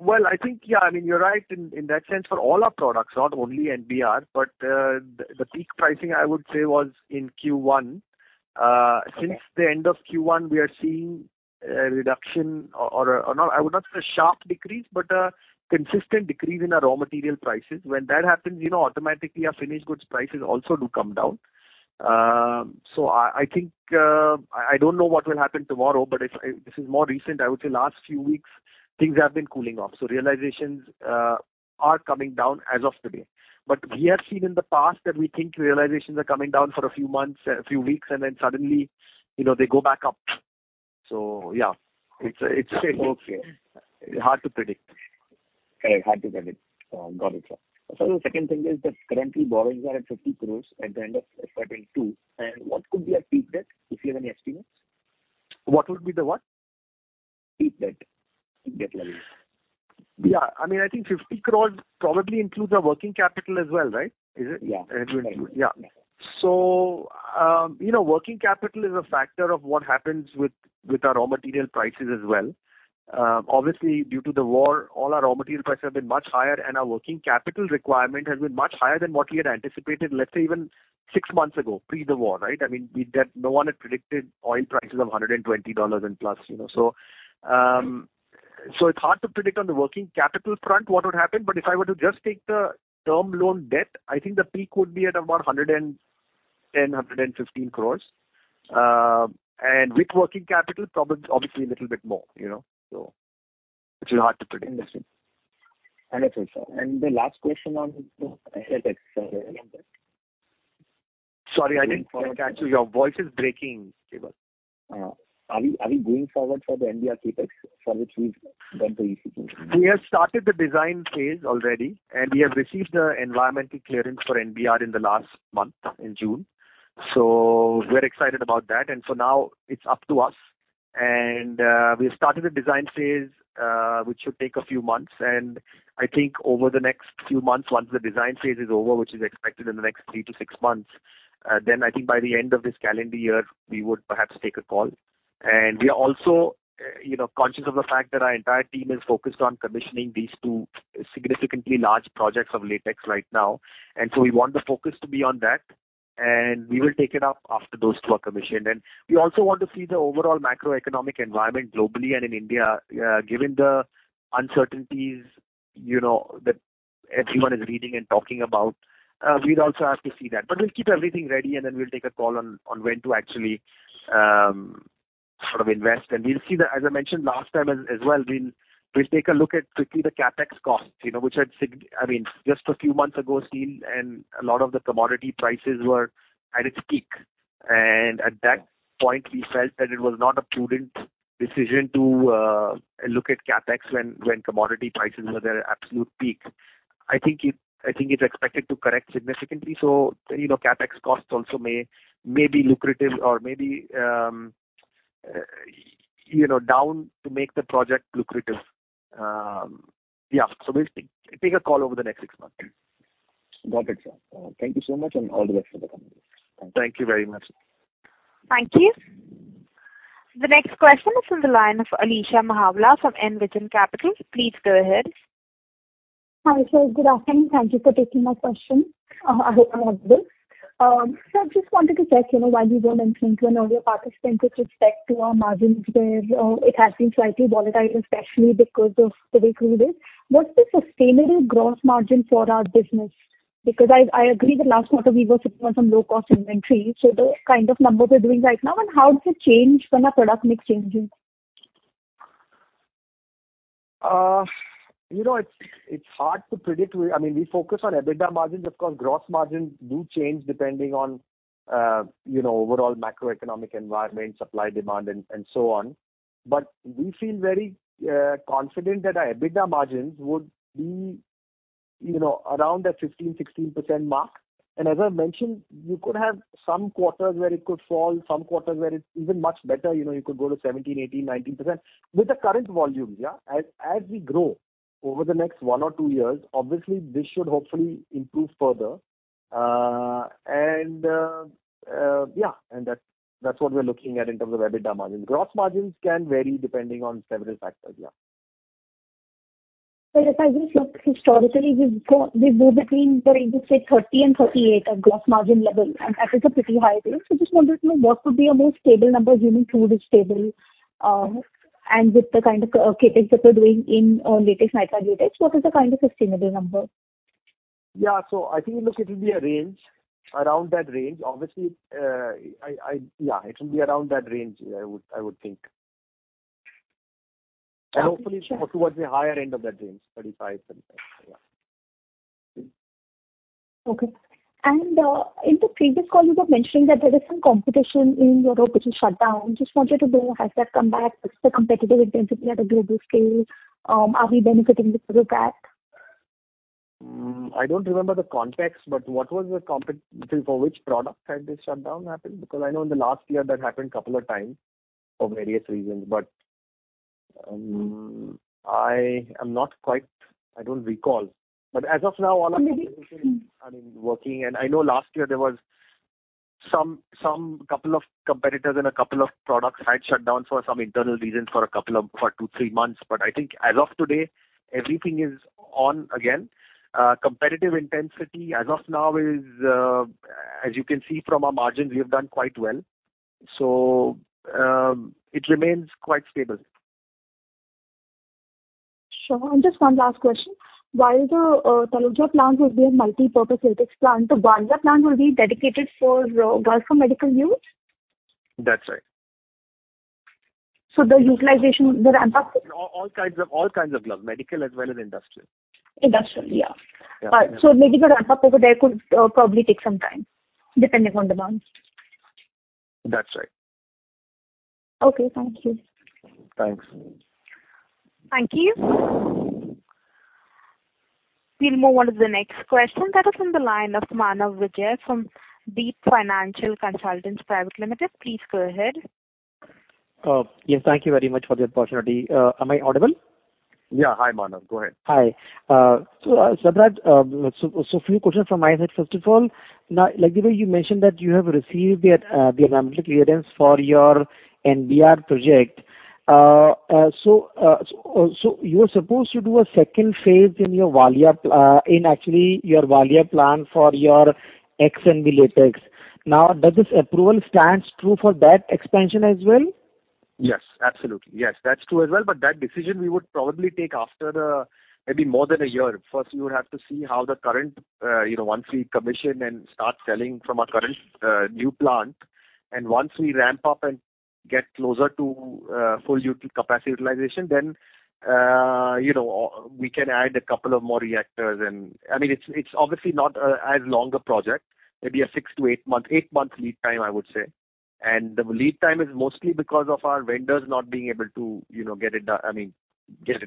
Speaker 5: Well, I think, yeah. I mean, you're right in that sense for all our products, not only NBR. The peak pricing, I would say, was in Q1.
Speaker 14: Okay.
Speaker 5: Since the end of Q1, we are seeing a reduction. I would not say a sharp decrease, but a consistent decrease in our raw material prices. When that happens, you know, automatically our finished goods prices also do come down. I think I don't know what will happen tomorrow, but this is more recent. I would say last few weeks things have been cooling off. Realizations are coming down as of today. We have seen in the past that we think realizations are coming down for a few months, a few weeks, and then suddenly, you know, they go back up. Yeah. It's hard to predict.
Speaker 14: Correct. Hard to predict. Got it, sir. Sir, the second thing is that currently borrowings are at 50 crore at the end of FY 2022. What could be our peak debt, if you have any estimates?
Speaker 5: What would be the what?
Speaker 14: Peak debt. Debt level.
Speaker 5: Yeah. I mean, I think 50 crores probably includes our working capital as well, right? Is it?
Speaker 14: Yeah.
Speaker 5: It would include. Yeah. You know, working capital is a factor of what happens with our raw material prices as well. Obviously due to the war, all our raw material prices have been much higher and our working capital requirement has been much higher than what we had anticipated, let's say even six months ago, pre the war, right? I mean, no one had predicted oil prices of $120 and plus, you know. It's hard to predict on the working capital front what would happen. If I were to just take the term loan debt, I think the peak would be at about 110-115 crores. With working capital, probably obviously a little bit more, you know? It's hard to predict.
Speaker 14: Understood. Understood, sir. The last question on the latex,
Speaker 5: Sorry, I didn't quite catch you. Your voice is breaking, Kewal.
Speaker 14: Are we going forward for the NBR CapEx for which we've went to EC?
Speaker 5: We have started the design phase already, and we have received the environmental clearance for NBR in the last month, in June. We're excited about that. Now it's up to us. We have started the design phase, which should take a few months. I think over the next few months, once the design phase is over, which is expected in the next 3-6 months, then I think by the end of this calendar year, we would perhaps take a call. We are also, you know, conscious of the fact that our entire team is focused on commissioning these two significantly large projects of latex right now. We want the focus to be on that. We will take it up after those two are commissioned. We also want to see the overall macroeconomic environment globally and in India, given the uncertainties, you know, that everyone is reading and talking about. We'd also have to see that. We'll keep everything ready, and then we'll take a call on when to actually sort of invest. As I mentioned last time as well, we'll take a look at quickly the CapEx costs, you know, which had, I mean, just a few months ago, steel and a lot of the commodity prices were at its peak. At that point, we felt that it was not a prudent decision to look at CapEx when commodity prices were their absolute peak. I think it's expected to correct significantly. You know, CapEx costs also may be lucrative or may be down to make the project lucrative. Yeah. We'll take a call over the next six months.
Speaker 4: Got it, sir. Thank you so much, and all the best for the company.
Speaker 5: Thank you very much.
Speaker 1: Thank you. The next question is on the line of Alisha Mahawla from Envision Capital. Please go ahead.
Speaker 15: Hi, sir. Good afternoon. Thank you for taking my question. I hope I'm audible. Sir, just wanted to check, you know, while you were mentioning to an earlier participant with respect to our margins where it has been slightly volatile, especially because of the raw materials. What's the sustainable gross margin for our business? Because I agree that last quarter we were sitting on some low-cost inventory. The kind of numbers we're doing right now and how does it change when our product mix changes?
Speaker 5: You know, it's hard to predict. I mean, we focus on EBITDA margins. Of course, gross margins do change depending on you know, overall macroeconomic environment, supply, demand, and so on. We feel very confident that our EBITDA margins would be you know, around that 15%-16% mark. As I mentioned, you could have some quarters where it could fall, some quarters where it's even much better. You know, you could go to 17%, 18%, 19%. With the current volumes, yeah. As we grow over the next 1 or 2 years, obviously this should hopefully improve further. Yeah. That's what we're looking at in terms of EBITDA margin. Gross margins can vary depending on several factors, yeah.
Speaker 15: Sir, if I just look historically, we've got, we go between, for instance, say, 30%-38% at gross margin level, and that is a pretty high range. Just wanted to know what would be a more stable number assuming crude is stable, and with the kind of CapEx that we're doing in our latest Nitrile Latex, what is a kind of sustainable number?
Speaker 5: Yeah. So I think, look, it'll be a range. Around that range. Obviously, yeah, it will be around that range, yeah, I would think. Hopefully towards the higher end of that range, 35%. Yeah.
Speaker 15: Okay. In the previous call, you were mentioning that there is some competition in Europe which was shut down. Just wanted to know, has that come back? What's the competitive intensity at a global scale? Are we benefiting with regard to that?
Speaker 5: I don't remember the context, but for which product had this shutdown happened? Because I know in the last year that happened couple of times for various reasons. I don't recall. As of now, all our competitors are, I mean, working. I know last year there was some couple of competitors and a couple of products had shut down for some internal reasons for 2-3 months. I think as of today, everything is on again. Competitive intensity as of now is, as you can see from our margins, we have done quite well. It remains quite stable.
Speaker 15: Sure. Just one last question. While the Taloja plant will be a multipurpose latex plant, the Valia plant will be dedicated for, well, for medical use?
Speaker 5: That's right.
Speaker 15: The utilization, the ramp-up.
Speaker 5: All kinds of gloves, medical as well as industrial.
Speaker 15: Industrial, yeah.
Speaker 5: Yeah.
Speaker 15: Medical ramp-up over there could probably take some time, depending on demand.
Speaker 5: That's right.
Speaker 15: Okay. Thank you.
Speaker 5: Thanks.
Speaker 1: Thank you. We'll move on to the next question. That is on the line of Manav Vijay from Deepam Financial Consultants Private Limited. Please go ahead.
Speaker 16: Yes. Thank you very much for the opportunity. Am I audible?
Speaker 5: Yeah. Hi, Manav. Go ahead.
Speaker 16: Hi. Subrat, few questions from my side. First of all, now, like the way you mentioned that you have received the environmental clearance for your NBR project. You were supposed to do a second phase in your Valia, in actually your Valia plant for your XNB latex. Now, does this approval stands true for that expansion as well?
Speaker 5: Yes, absolutely. Yes, that's true as well. That decision we would probably take after maybe more than a year. First, we would have to see how the current once we commission and start selling from our current new plant. Once we ramp up and get closer to full capacity utilization, then we can add a couple of more reactors. I mean, it's obviously not as long a project. Maybe a 6to 8-month lead time, I would say. The lead time is mostly because of our vendors not being able to get it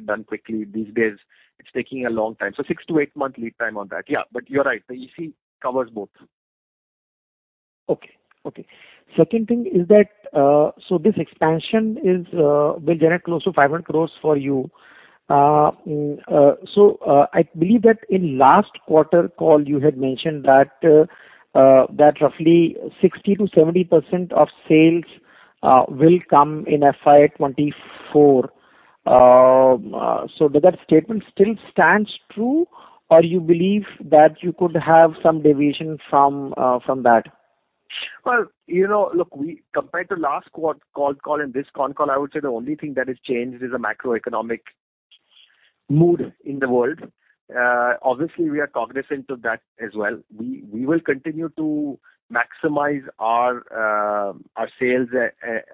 Speaker 5: done quickly these days. It's taking a long time. 6- to 8-month lead time on that. Yeah, but you're right. The EC covers both.
Speaker 16: Second thing is that this expansion will generate close to 500 crore for you. I believe that in last quarter call, you had mentioned that roughly 60%-70% of sales will come in FY 2024. Does that statement still stands true or you believe that you could have some deviation from that?
Speaker 5: Well, you know, look, compared to last quarter call and this con call, I would say the only thing that has changed is the macroeconomic mood in the world. Obviously we are cognizant of that as well. We will continue to maximize our sales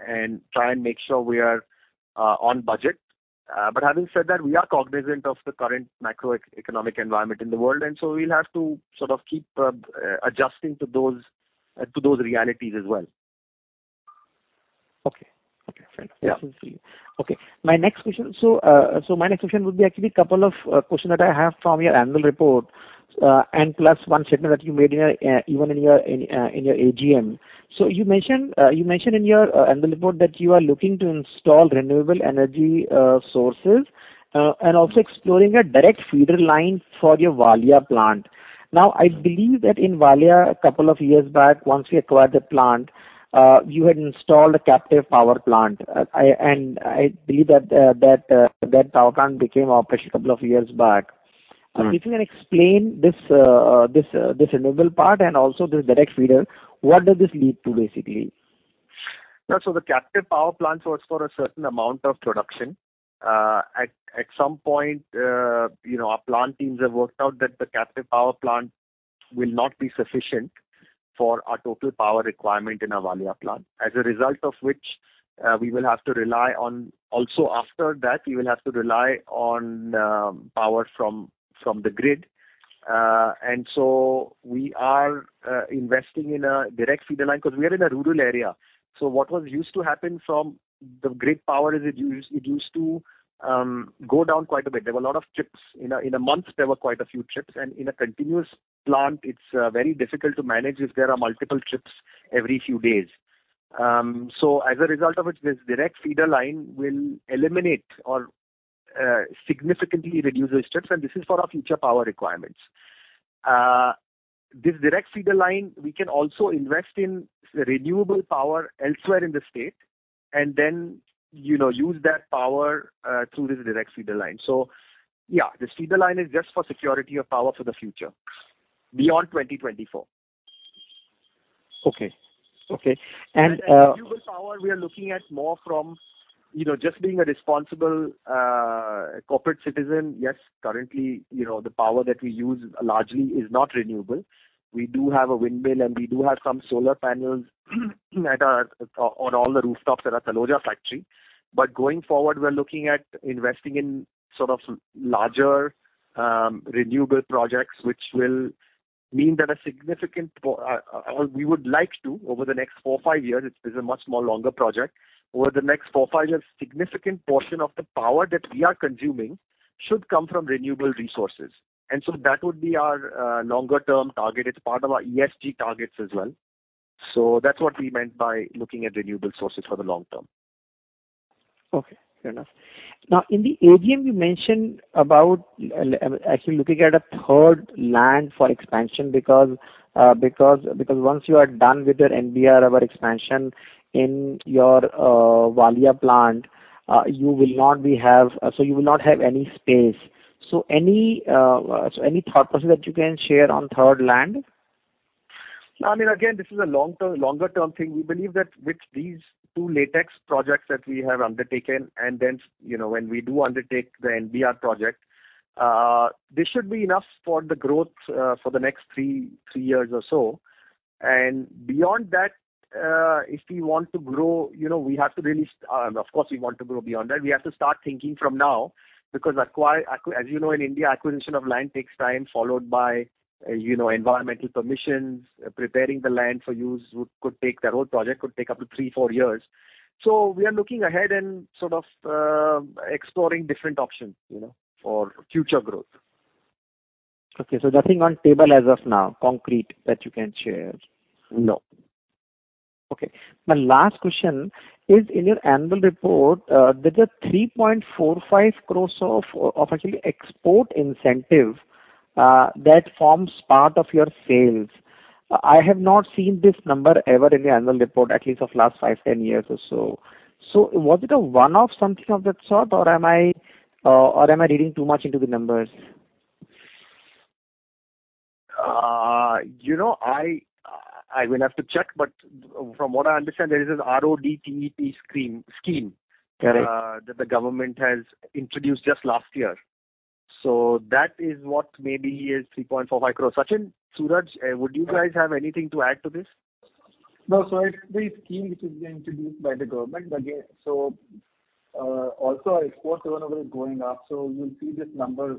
Speaker 5: and try and make sure we are on budget. Having said that, we are cognizant of the current macroeconomic environment in the world, and so we'll have to sort of keep adjusting to those realities as well.
Speaker 16: Okay. Okay, fair enough.
Speaker 5: Yeah.
Speaker 16: This is clear. Okay, my next question. My next question would be actually a couple of question that I have from your annual report and P&L statement that you made in even in your in your AGM. You mentioned in your annual report that you are looking to install renewable energy sources and also exploring a direct feeder line for your Valia plant. Now, I believe that in Valia a couple of years back, once you acquired the plant, you had installed a captive power plant. I believe that power plant became operational a couple of years back.
Speaker 5: Mm-hmm.
Speaker 16: If you can explain this renewable part and also this direct feeder, what does this lead to basically?
Speaker 5: Yeah. The captive power plant was for a certain amount of production. At some point, you know, our plant teams have worked out that the captive power plant will not be sufficient for our total power requirement in our Valia plant. As a result of which, we will have to rely on power from the grid. We are investing in a direct feeder line because we are in a rural area. What used to happen from the grid power is, it used to go down quite a bit. There were a lot of trips. In a month, there were quite a few trips, and in a continuous plant, it's very difficult to manage if there are multiple trips every few days. As a result of it, this direct feeder line will eliminate or significantly reduce those trips, and this is for our future power requirements. This direct feeder line, we can also invest in renewable power elsewhere in the state and then, you know, use that power through this direct feeder line. Yeah, this feeder line is just for security of power for the future beyond 2024.
Speaker 16: Okay.
Speaker 5: Renewable power, we are looking at more from, you know, just being a responsible corporate citizen. Yes, currently, you know, the power that we use largely is not renewable. We do have a windmill, and we do have some solar panels that are on all the rooftops at our Taloja factory. But going forward, we are looking at investing in sort of larger renewable projects, which will mean that a significant portion or we would like to over the next 4-5 years. It's a much more longer project. Over the next 4-5 years, significant portion of the power that we are consuming should come from renewable resources. That would be our longer term target. It's part of our ESG targets as well. That's what we meant by looking at renewable sources for the long term.
Speaker 16: Okay. Fair enough. Now in the AGM, you mentioned about actually looking at a third land for expansion because once you are done with your NBR rubber expansion in your Valia plant, you will not have any space. So any thought process that you can share on third land?
Speaker 5: Now, I mean, again, this is a long-term, longer term thing. We believe that with these 2 latex projects that we have undertaken, and then, you know, when we do undertake the NBR project, this should be enough for the growth, for the next 3 years or so. Beyond that, if we want to grow, you know, we have to really start thinking from now because, of course, we want to grow beyond that. As you know, in India, acquisition of land takes time, followed by, you know, environmental permissions. Preparing the land for use could take. The whole project could take up to 3-4 years. We are looking ahead and sort of, exploring different options, you know, for future growth.
Speaker 16: Okay. Nothing on table as of now concrete that you can share?
Speaker 5: No.
Speaker 16: My last question is in your annual report, there's 3.45 crore of actually export incentive that forms part of your sales. I have not seen this number ever in your annual report, at least of last 5, 10 years or so. Was it a one-off something of that sort, or am I reading too much into the numbers?
Speaker 5: you know, I will have to check, but from what I understand, there is an RODTEP scheme.
Speaker 16: Correct.
Speaker 5: That the government has introduced just last year. That is what maybe is 3.45 crore. Sachin, Suraj, would you guys have anything to add to this?
Speaker 17: No. It's the scheme which was introduced by the government. Yeah, also our export turnover is going up, so we'll see this number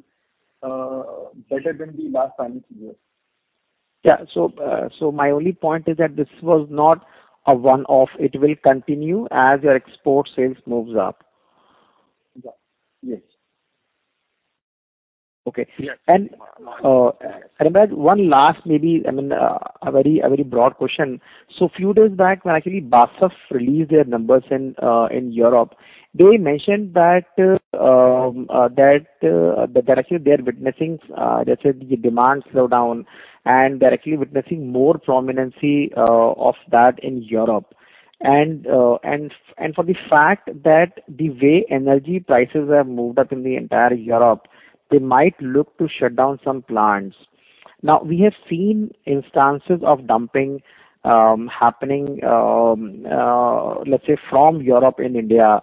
Speaker 17: better than the last financial year.
Speaker 16: Yeah, my only point is that this was not a one-off. It will continue as your export sales moves up.
Speaker 17: Yeah. Yes.
Speaker 16: Okay.
Speaker 17: Yeah.
Speaker 16: Anubhav, one last, maybe, I mean, a very broad question. Few days back when actually BASF released their numbers in Europe, they mentioned that actually they're witnessing, let's say, the demand slowdown and they're actually witnessing more prominence of that in Europe. For the fact that the way energy prices have moved up in the entire Europe, they might look to shut down some plants. Now, we have seen instances of dumping happening, let's say, from Europe in India.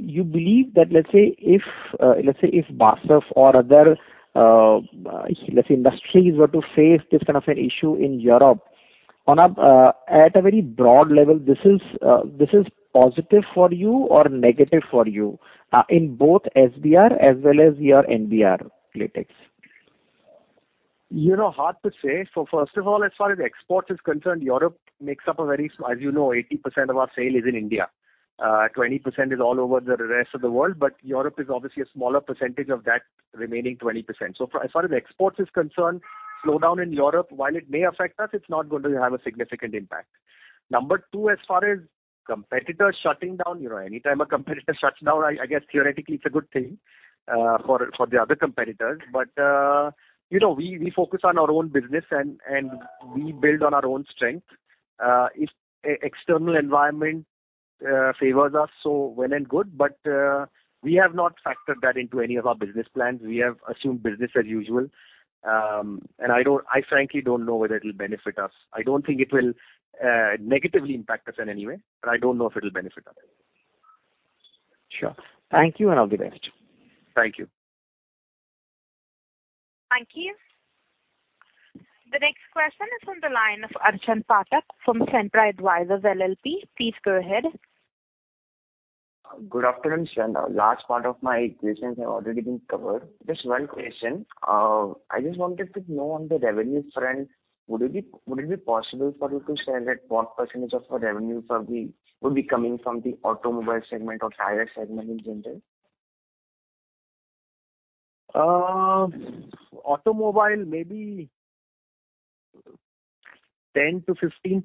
Speaker 16: You believe that let's say if BASF or other let's say industries were to face this kind of an issue in Europe on a at a very broad level, this is positive for you or negative for you in both SBR as well as your NBR latex?
Speaker 5: You know, hard to say. First of all, as far as exports is concerned, Europe makes up a very. As you know, 80% of our sales is in India. Twenty percent is all over the rest of the world, but Europe is obviously a smaller percentage of that remaining 20%. For as far as exports is concerned, slowdown in Europe, while it may affect us, it's not going to have a significant impact. Number two, as far as competitors shutting down, you know, anytime a competitor shuts down, I guess theoretically it's a good thing for the other competitors. You know, we focus on our own business and we build on our own strength. If external environment favors us, so well and good, but we have not factored that into any of our business plans. We have assumed business as usual. I frankly don't know whether it'll benefit us. I don't think it will negatively impact us in any way, but I don't know if it'll benefit us.
Speaker 16: Sure. Thank you, and I'll be back to you.
Speaker 5: Thank you.
Speaker 1: Thank you. The next question is from the line of Archin Pathak from Centra Advisors LLP. Please go ahead.
Speaker 18: Good afternoon, sir. A large part of my questions have already been covered. Just one question. I just wanted to know on the revenue front, would it be possible for you to share that what percentage of your revenue for the year will be coming from the automobile segment or tire segment in general?
Speaker 5: Automobile maybe 10%-15%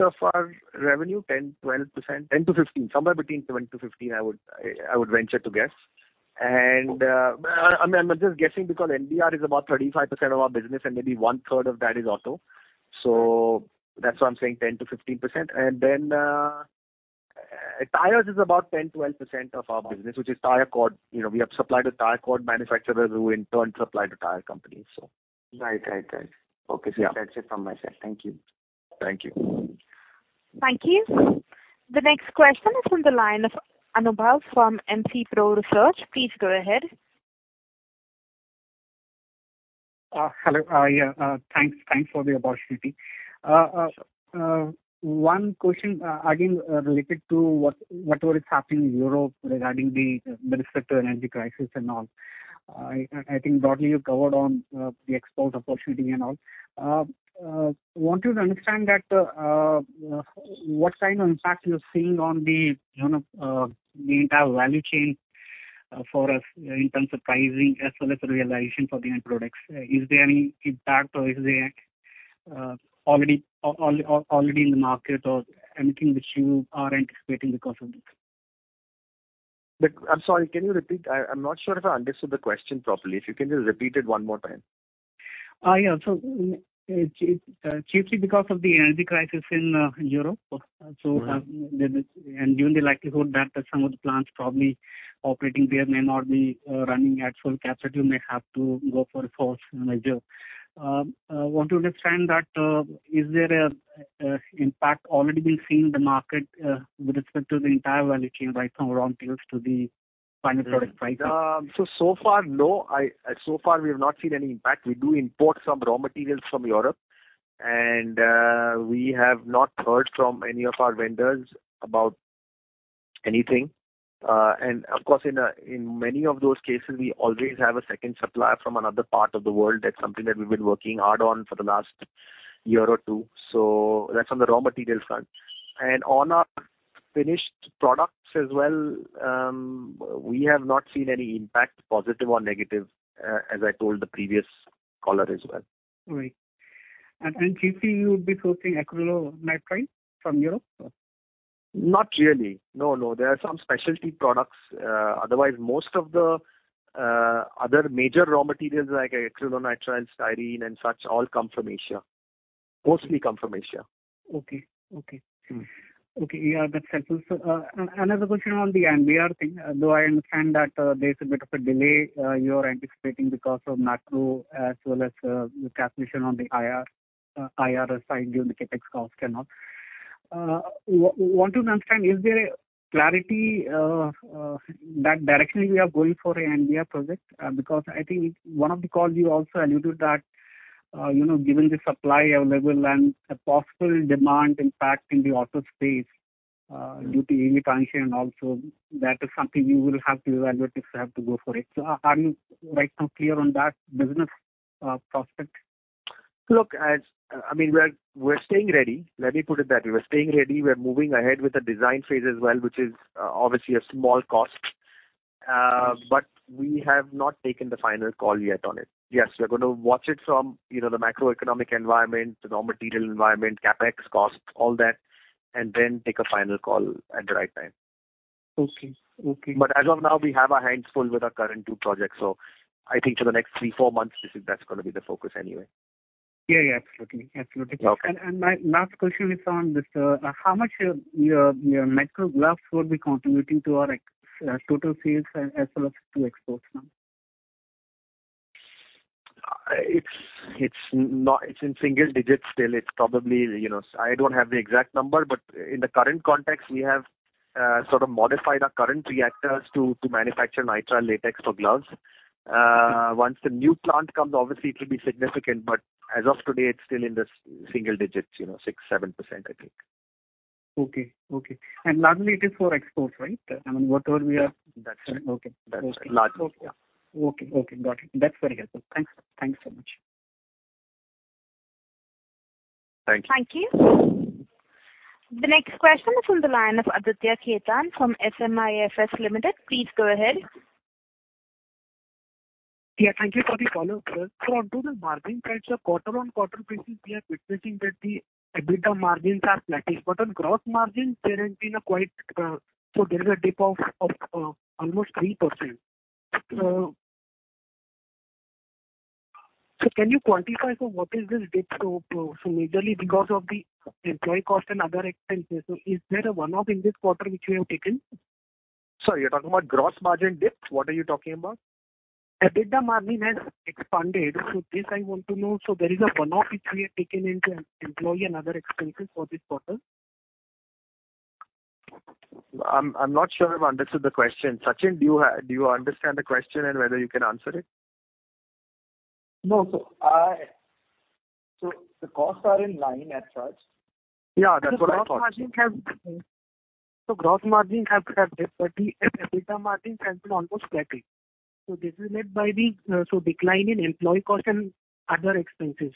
Speaker 5: of our revenue, 10, 12%. 10%-15%, somewhere between 10%-15%, I would venture to guess. I mean, I'm just guessing because NBR is about 35% of our business, and maybe 1/3 of that is auto. That's why I'm saying 10%-15%. Tires is about 10, 12% of our business, which is Tyre Cord. You know, we have supplied the Tyre Cord manufacturers who in turn supply the tire companies.
Speaker 18: Right. Okay.
Speaker 5: Yeah.
Speaker 18: That's it from myself. Thank you.
Speaker 5: Thank you.
Speaker 1: Thank you. The next question is from the line of Anubhav from MC Pro Research. Please go ahead.
Speaker 19: Hello. Yeah, thanks for the opportunity. One question, again, related to whatever is happening in Europe regarding the, with respect to energy crisis and all. I think broadly you've covered on, the export opportunity and all. Wanted to understand that, what kind of impact you're seeing on the, you know, the entire value chain, for us in terms of pricing as well as realization for the end products. Is there any impact or is there already in the market or anything which you are anticipating because of this?
Speaker 5: I'm sorry, can you repeat? I'm not sure if I understood the question properly. If you can just repeat it one more time.
Speaker 19: Yeah. It chiefly because of the energy crisis in Europe.
Speaker 5: Right.
Speaker 19: Given the likelihood that some of the plants probably operating there may not be running at full capacity, may have to go for a force majeure. I want to understand that, is there an impact already being seen in the market, with respect to the entire value chain right from raw materials to the final product pricing?
Speaker 5: So far, no. So far, we have not seen any impact. We do import some raw materials from Europe, and we have not heard from any of our vendors about anything. Of course, in many of those cases, we always have a second supplier from another part of the world. That's something that we've been working hard on for the last year or two. That's on the raw materials front. On our finished products as well, we have not seen any impact, positive or negative, as I told the previous caller as well.
Speaker 19: Right. Chiefly you would be sourcing acrylonitrile from Europe?
Speaker 5: Not really. No, no. There are some specialty products. Otherwise, most of the other major raw materials like acrylonitrile, styrene and such all come from Asia. Mostly come from Asia.
Speaker 19: Okay.
Speaker 5: Mm-hmm.
Speaker 19: Okay. Yeah, that's helpful. Another question on the NBR thing. Though I understand that there's a bit of a delay you're anticipating because of macro as well as the calculation on the IRR side given the CapEx cost and all. Want to understand, is there a clarity that directionally you are going for a NBR project? Because I think one of the calls you also alluded that you know, given the supply available and a possible demand impact in the auto space due to EV transition and all, that is something you will have to evaluate if you have to go for it. Are you right now clear on that business prospect?
Speaker 5: Look, I mean, we're staying ready. Let me put it that way. We're staying ready. We're moving ahead with the design phase as well, which is obviously a small cost. But we have not taken the final call yet on it. Yes, we're gonna watch it from, you know, the macroeconomic environment, the raw material environment, CapEx costs, all that. Then take a final call at the right time.
Speaker 19: Okay. Okay.
Speaker 5: As of now, we have our hands full with our current two projects. I think for the next three, four months, that's gonna be the focus anyway.
Speaker 19: Yeah, yeah. Absolutely. Absolutely.
Speaker 5: Okay.
Speaker 19: My last question is on this, how much your nitrile gloves will be contributing to our total sales as well as to exports now?
Speaker 5: It's in single digits still. It's probably, you know, I don't have the exact number, but in the current context, we have sort of modified our current reactors to manufacture Nitrile Latex for gloves. Once the new plant comes, obviously it will be significant, but as of today, it's still in the single digits, you know, 6%-7% I think.
Speaker 19: Okay. Largely it is for export, right? I mean, whatever we are
Speaker 5: That's right.
Speaker 19: Okay.
Speaker 5: That's largely, yeah.
Speaker 19: Okay. Got it. That's very helpful. Thanks so much.
Speaker 5: Thank you.
Speaker 1: Thank you. The next question is from the line of Aditya Khetan from SMIFS Limited. Please go ahead.
Speaker 8: Yeah, thank you for the call, sir. On to the margin side, quarter-on-quarter basis, we are witnessing that the EBITDA margins are flattish, but on gross margins there has been a dip of almost 3%. Can you quantify what this dip is due to? Majorly because of the employee cost and other expenses. Is there a one-off in this quarter which you have taken?
Speaker 5: Sorry, you're talking about gross margin dips? What are you talking about?
Speaker 8: EBITDA margin has expanded. This I want to know. There is a one-off which we have taken into employee and other expenses for this quarter.
Speaker 5: I'm not sure I've understood the question. Sachin, do you understand the question and whether you can answer it?
Speaker 3: No, the costs are in line as such.
Speaker 5: Yeah, that's what I thought.
Speaker 3: Gross margin have dipped, but the EBITDA margin has been almost flat. This is led by the decline in employee cost and other expenses.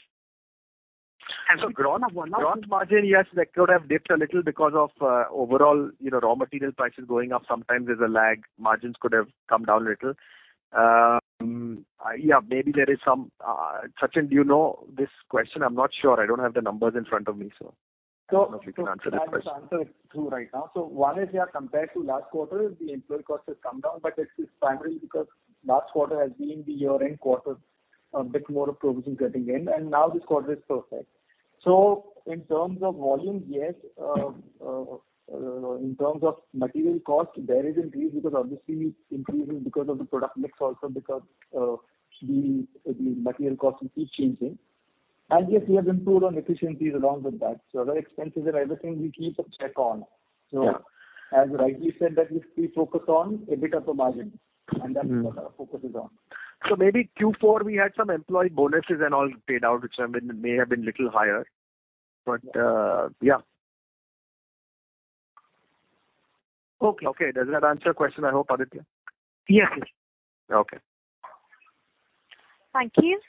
Speaker 5: And so gross-
Speaker 3: One-off
Speaker 5: Gross margin, yes, that could have dipped a little because of overall, you know, raw material prices going up. Sometimes there's a lag. Margins could have come down a little. Yeah, maybe there is some. Sachin, do you know this question? I'm not sure. I don't have the numbers in front of me, so-
Speaker 3: So-
Speaker 5: I don't know if you can answer this question.
Speaker 3: I can answer it too right now. One is, yeah, compared to last quarter, the employee cost has come down, but it's primarily because last quarter has been the year-end quarter, a bit more of provisioning cutting in, and now this quarter is perfect. In terms of volume, yes. In terms of material cost, there is increase because obviously increasing because of the product mix also because, the material cost is keep changing. Yes, we have improved on efficiencies along with that. Other expenses are everything we keep a check on.
Speaker 5: Yeah.
Speaker 3: As rightly said that we focus on EBITDA margin, and that's what our focus is on.
Speaker 5: Maybe Q4 we had some employee bonuses and all paid out, which have been, may have been little higher. But, yeah.
Speaker 8: Okay.
Speaker 5: Okay. Does that answer your question, I hope, Aditya?
Speaker 8: Yes, yes.
Speaker 5: Okay.
Speaker 1: Thank you.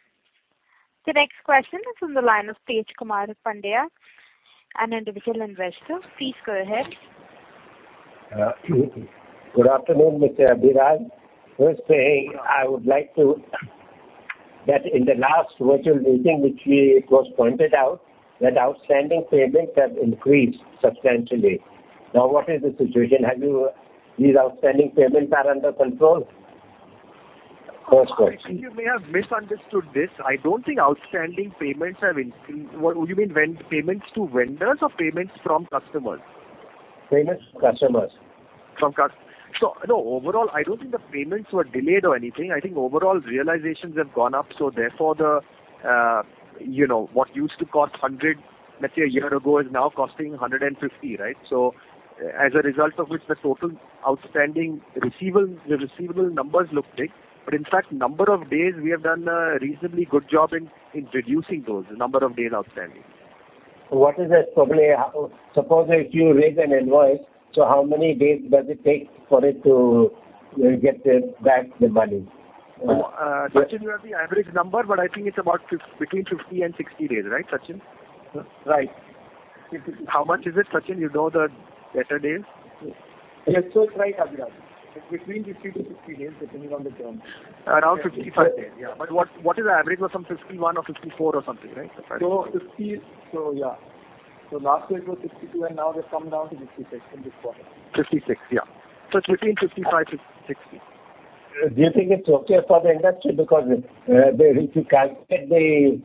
Speaker 1: The next question is from the line of Tej Kumar Pandya, an individual investor. Please go ahead.
Speaker 20: Good afternoon, Mr. Abhiraj. That, in the last virtual meeting, it was pointed out that outstanding payments have increased substantially. Now, what is the situation? These outstanding payments are under control? First question.
Speaker 5: I think you may have misunderstood this. I don't think outstanding payments have increased. What, you mean payments to vendors or payments from customers?
Speaker 20: Payments from customers.
Speaker 5: No, overall, I don't think the payments were delayed or anything. I think overall realizations have gone up, so therefore the, you know, what used to cost 100, let's say a year ago, is now costing 150, right? As a result of which the total outstanding receivable, the receivable numbers look big. In fact, number of days we have done a reasonably good job in reducing those, the number of days outstanding.
Speaker 20: Suppose if you raise an invoice, so how many days does it take for it to get back the money?
Speaker 5: Sachin, do you have the average number? I think it's about between 50 and 60 days, right, Sachin?
Speaker 3: Right.
Speaker 5: How much is it, Sachin? You know the better days.
Speaker 3: Yes. It's right, Abhiraj. Between 50-60 days, depending on the terms.
Speaker 5: Around 55 days. Yeah. What is the average? Was some 51 or 54 or something, right?
Speaker 3: Last year it was 62, and now it has come down to 56 in this quarter.
Speaker 5: 56. Yeah. It's between 55 to 60.
Speaker 20: Do you think it's okay for the industry? Because if you calculate the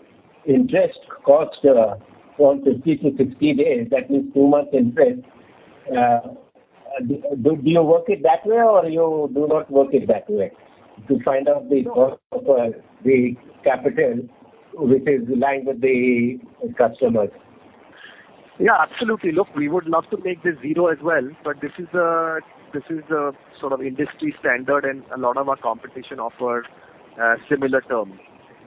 Speaker 20: interest cost from 50-60 days, that means two months interest. Do you work it that way or you do not work it that way to find out the cost of the capital which is lying with the customers?
Speaker 5: Yeah, absolutely. Look, we would love to make this zero as well, but this is a sort of industry standard and a lot of our competition offer similar terms.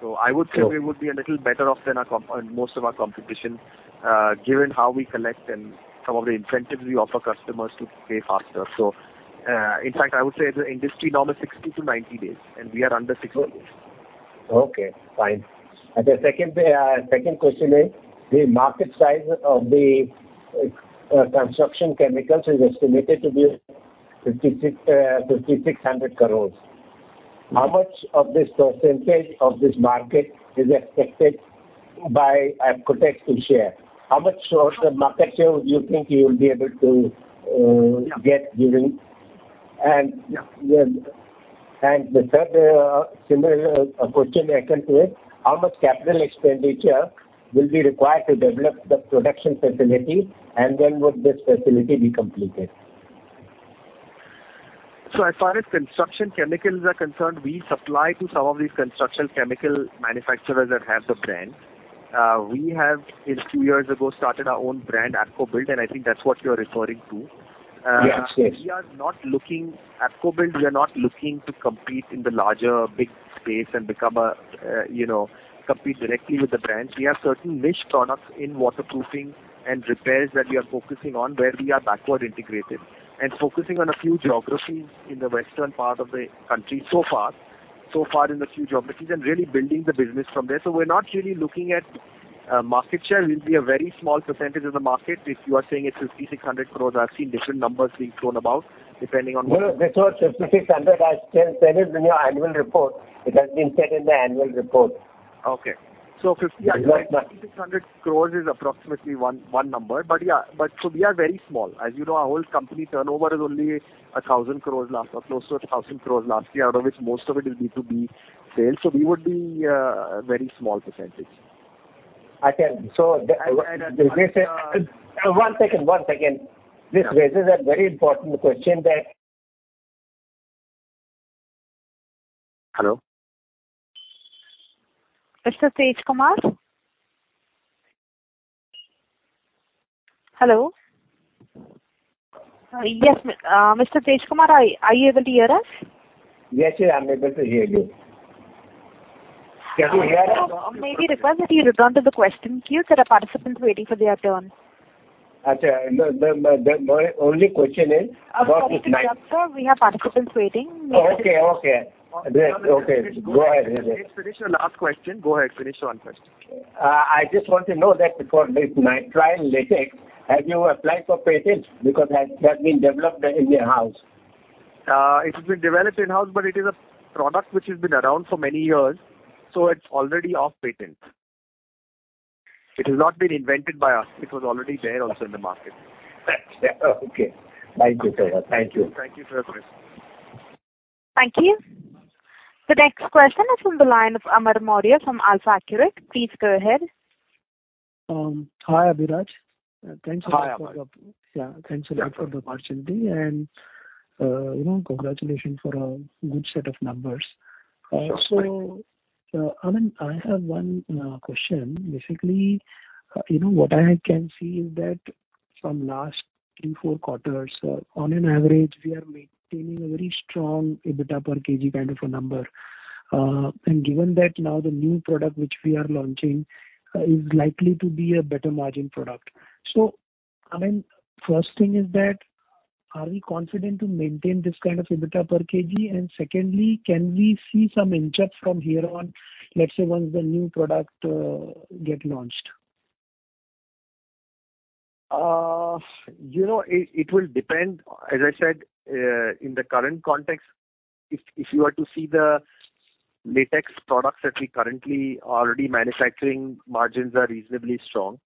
Speaker 5: So I would say.
Speaker 20: Sure.
Speaker 5: We would be a little better off than most of our competition, given how we collect and some of the incentives we offer customers to pay faster. In fact, I would say the industry norm is 60-90 days, and we are under 60 days.
Speaker 20: Okay, fine. The second question is, the market size of the construction chemicals is estimated to be 5,600 crores. How much percentage of this market is Apcotex's share? How much of the market share do you think you'll be able to get given? The third similar question I can say, how much capital expenditure will be required to develop the production facility and when would this facility be completed?
Speaker 5: As far as construction chemicals are concerned, we supply to some of these construction chemical manufacturers that have the brand. We have a few years ago started our own brand, ApcoBuild, and I think that's what you're referring to.
Speaker 20: Yes, yes.
Speaker 5: ApcoBuild, we are not looking to compete in the larger big space and become, you know, compete directly with the brands. We have certain niche products in waterproofing and repairs that we are focusing on, where we are backward integrated and focusing on a few geographies in the western part of the country so far in a few geographies, and really building the business from there. We're not really looking at market share. We'll be a very small percentage of the market. If you are saying it's 500-600 crores, I've seen different numbers being thrown about, depending on what.
Speaker 20: No, no. This was 5,600. I still say it is in your annual report. It has been said in the annual report.
Speaker 5: Okay. 50-
Speaker 21: Yeah.
Speaker 5: 5,600 crores is approximately 1.1 number. Yeah. We are very small. As you know, our whole company turnover is only 1,000 crores last or close to 1,000 crores last year, out of which most of it is B2B sales. We would be a very small percentage.
Speaker 20: One second. This raises a very important question that.
Speaker 5: Hello.
Speaker 1: Mr. Tej Kumar Pandya. Hello? Yes, Mr. Tej Kumar Pandya, are you able to hear us?
Speaker 22: Yes, yeah, I'm able to hear you.
Speaker 1: May I request that you return to the question queue. There are participants waiting for their turn.
Speaker 20: Okay. My only question is about this nitrile.
Speaker 1: Sorry to interrupt, sir. We have participants waiting.
Speaker 20: Okay. Go ahead.
Speaker 5: Please finish your last question. Go ahead, finish one first.
Speaker 7: I just want to know that for this Nitrile Latex, have you applied for patent because it has been developed in-house?
Speaker 5: It has been developed in-house, but it is a product which has been around for many years, so it's already off patent. It has not been invented by us. It was already there also in the market.
Speaker 20: Okay. Thank you, sir. Thank you.
Speaker 5: Thank you for your question.
Speaker 1: Thank you. The next question is from the line of Amar Maurya from AlfAccurate Advisors. Please go ahead.
Speaker 6: Hi, Abhiraj.
Speaker 5: Hi, Amar.
Speaker 6: Yeah, thanks a lot for the opportunity and, you know, congratulations for a good set of numbers.
Speaker 5: Thanks.
Speaker 6: I mean, I have one question. Basically, you know, what I can see is that from last three, four quarters, on an average, we are maintaining a very strong EBITDA per kg kind of a number. Given that now the new product which we are launching is likely to be a better margin product. I mean, first thing is that, are we confident to maintain this kind of EBITDA per kg? And secondly, can we see some inch-up from here on, let's say once the new product get launched?
Speaker 5: You know, it will depend. As I said, in the current context, if you are to see the latex products that we currently already manufacturing, margins are reasonably strong,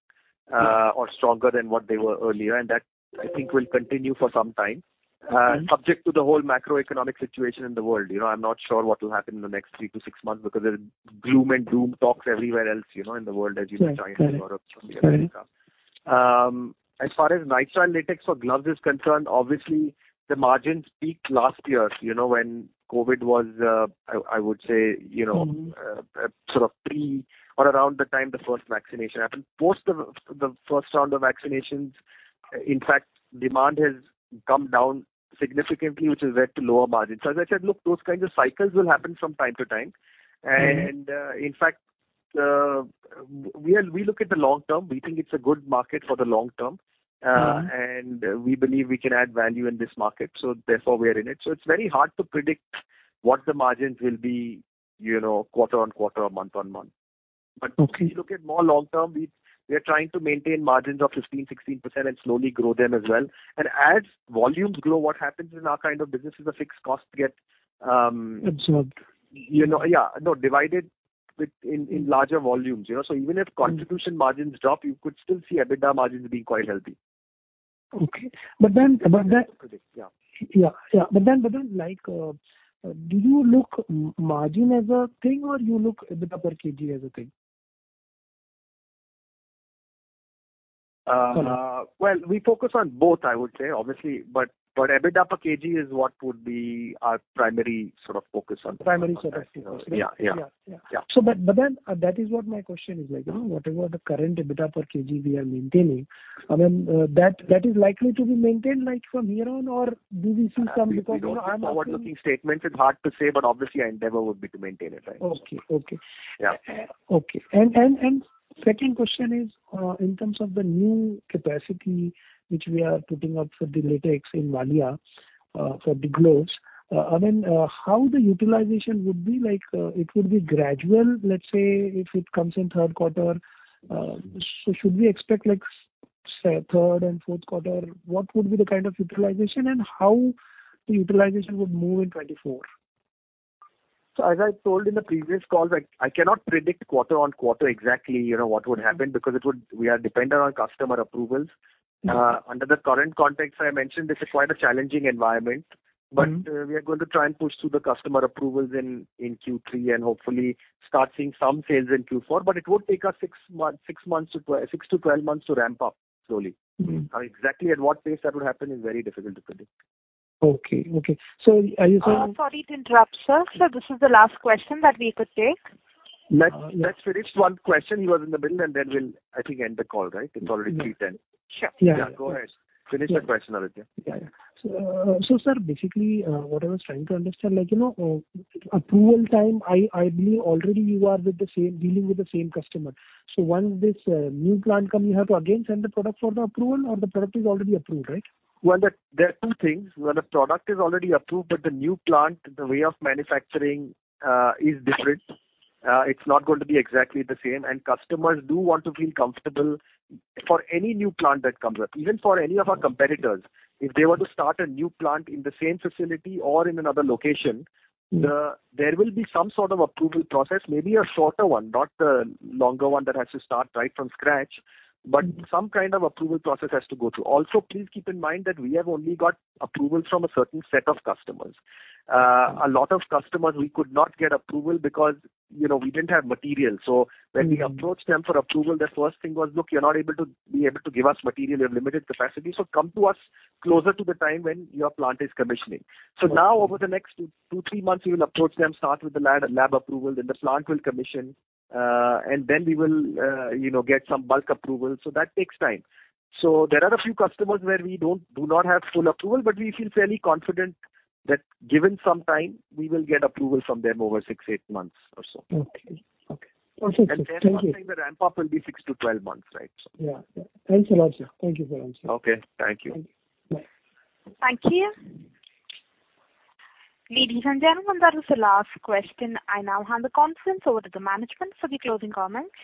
Speaker 5: or stronger than what they were earlier. That, I think, will continue for some time.
Speaker 6: Okay.
Speaker 5: Subject to the whole macroeconomic situation in the world. You know, I'm not sure what will happen in the next 3-6 months because there's gloom and doom talks everywhere else, you know, in the world as you know.
Speaker 6: Right. Right.
Speaker 5: China, Europe, America. As far as Nitrile Latex for gloves is concerned, obviously the margins peaked last year, you know, when COVID was, I would say, you know-
Speaker 6: Mm-hmm.
Speaker 5: Sort of pre or around the time the first vaccination happened. Post the first round of vaccinations, in fact, demand has come down significantly, which has led to lower margins. As I said, look, those kinds of cycles will happen from time to time.
Speaker 6: Mm-hmm.
Speaker 5: In fact, we look at the long term. We think it's a good market for the long term.
Speaker 6: Mm-hmm.
Speaker 5: We believe we can add value in this market, so therefore we are in it. It's very hard to predict what the margins will be, you know, quarter-over-quarter or month-over-month.
Speaker 6: Okay.
Speaker 5: If you look at more long-term, we are trying to maintain margins of 15%-16% and slowly grow them as well. As volumes grow, what happens in our kind of business is the fixed costs get,
Speaker 6: Absorbed.
Speaker 5: You know, yeah. No, divided within larger volumes, you know. Even if contribution margins drop, you could still see EBITDA margins being quite healthy.
Speaker 23: Okay.
Speaker 5: Yeah.
Speaker 6: Like, do you look margin as a thing or do you look EBITDA per kg as a thing?
Speaker 5: Well, we focus on both, I would say, obviously. EBITDA per kg is what would be our primary sort of focus on.
Speaker 6: Primary focus.
Speaker 5: Yeah. Yeah.
Speaker 6: Yeah. Yeah.
Speaker 5: Yeah.
Speaker 6: That is what my question is like. You know, whatever the current EBITDA per kg we are maintaining, I mean, that is likely to be maintained like from here on or do we see some-
Speaker 5: We don't do forward-looking statements. It's hard to say, but obviously our endeavor would be to maintain it, right?
Speaker 6: Okay. Okay.
Speaker 5: Yeah.
Speaker 6: Second question is, in terms of the new capacity which we are putting up for the latex in Valia, for the gloves, I mean, how the utilization would be like, it would be gradual, let's say if it comes in third quarter, should we expect, like, say, third and fourth quarter, what would be the kind of utilization and how the utilization would move in 2024?
Speaker 5: As I told in the previous calls, I cannot predict quarter-on-quarter exactly, you know, what would happen because we are dependent on customer approvals.
Speaker 6: Mm-hmm.
Speaker 5: Under the current context I mentioned this is quite a challenging environment.
Speaker 6: Mm-hmm.
Speaker 5: We are going to try and push through the customer approvals in Q3, and hopefully start seeing some sales in Q4, but it would take us 6 to 12 months to ramp up slowly.
Speaker 6: Mm-hmm.
Speaker 5: Now, exactly at what pace that would happen is very difficult to predict.
Speaker 6: Okay. Are you saying?
Speaker 1: Sorry to interrupt, sir. Sir, this is the last question that we could take.
Speaker 5: Let's finish one question he was in the middle, and then we'll, I think, end the call, right? It's already 3:10 P.M.
Speaker 6: Mm-hmm.
Speaker 5: Sure.
Speaker 23: Yeah.
Speaker 5: Yeah, go ahead. Finish the question, Aditya.
Speaker 6: Yeah. Sir, basically, what I was trying to understand, like, you know, approval time, I believe already you are with the same, dealing with the same customer. Once this new plant come, you have to again send the product for the approval or the product is already approved, right?
Speaker 5: Well, there are two things. Well, the product is already approved, but the new plant, the way of manufacturing, is different. It's not going to be exactly the same. Customers do want to feel comfortable for any new plant that comes up. Even for any of our competitors, if they were to start a new plant in the same facility or in another location.
Speaker 6: Mm-hmm
Speaker 5: There will be some sort of approval process, maybe a shorter one, not a longer one that has to start right from scratch, but some kind of approval process has to go through. Also, please keep in mind that we have only got approval from a certain set of customers. A lot of customers we could not get approval because, you know, we didn't have material. When we approached them for approval, their first thing was, "Look, you're not able to give us material. You have limited capacity, so come to us closer to the time when your plant is commissioning." Now over the next 2-3 months, we will approach them, start with the lab approval, then the plant will commission, and then we will, you know, get some bulk approval. That takes time. There are a few customers where we do not have full approval, but we feel fairly confident that given some time we will get approval from them over 6-8 months or so.
Speaker 6: Okay. Thank you.
Speaker 5: One thing, the ramp-up will be 6-12 months, right?
Speaker 6: Yeah. Thanks a lot, sir. Thank you very much.
Speaker 5: Okay. Thank you.
Speaker 6: Thank you. Bye.
Speaker 1: Thank you. Ladies and gentlemen, that was the last question. I now hand the conference over to the management for the closing comments.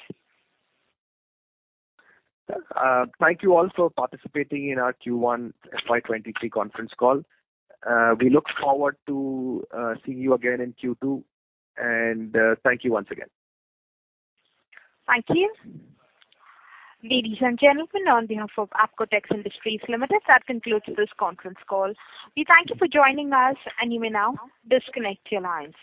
Speaker 5: Thank you all for participating in our Q1 FY23 conference call. We look forward to seeing you again in Q2 and thank you once again.
Speaker 1: Thank you. Ladies and gentlemen, on behalf of Apcotex Industries Limited, that concludes this conference call. We thank you for joining us, and you may now disconnect your lines.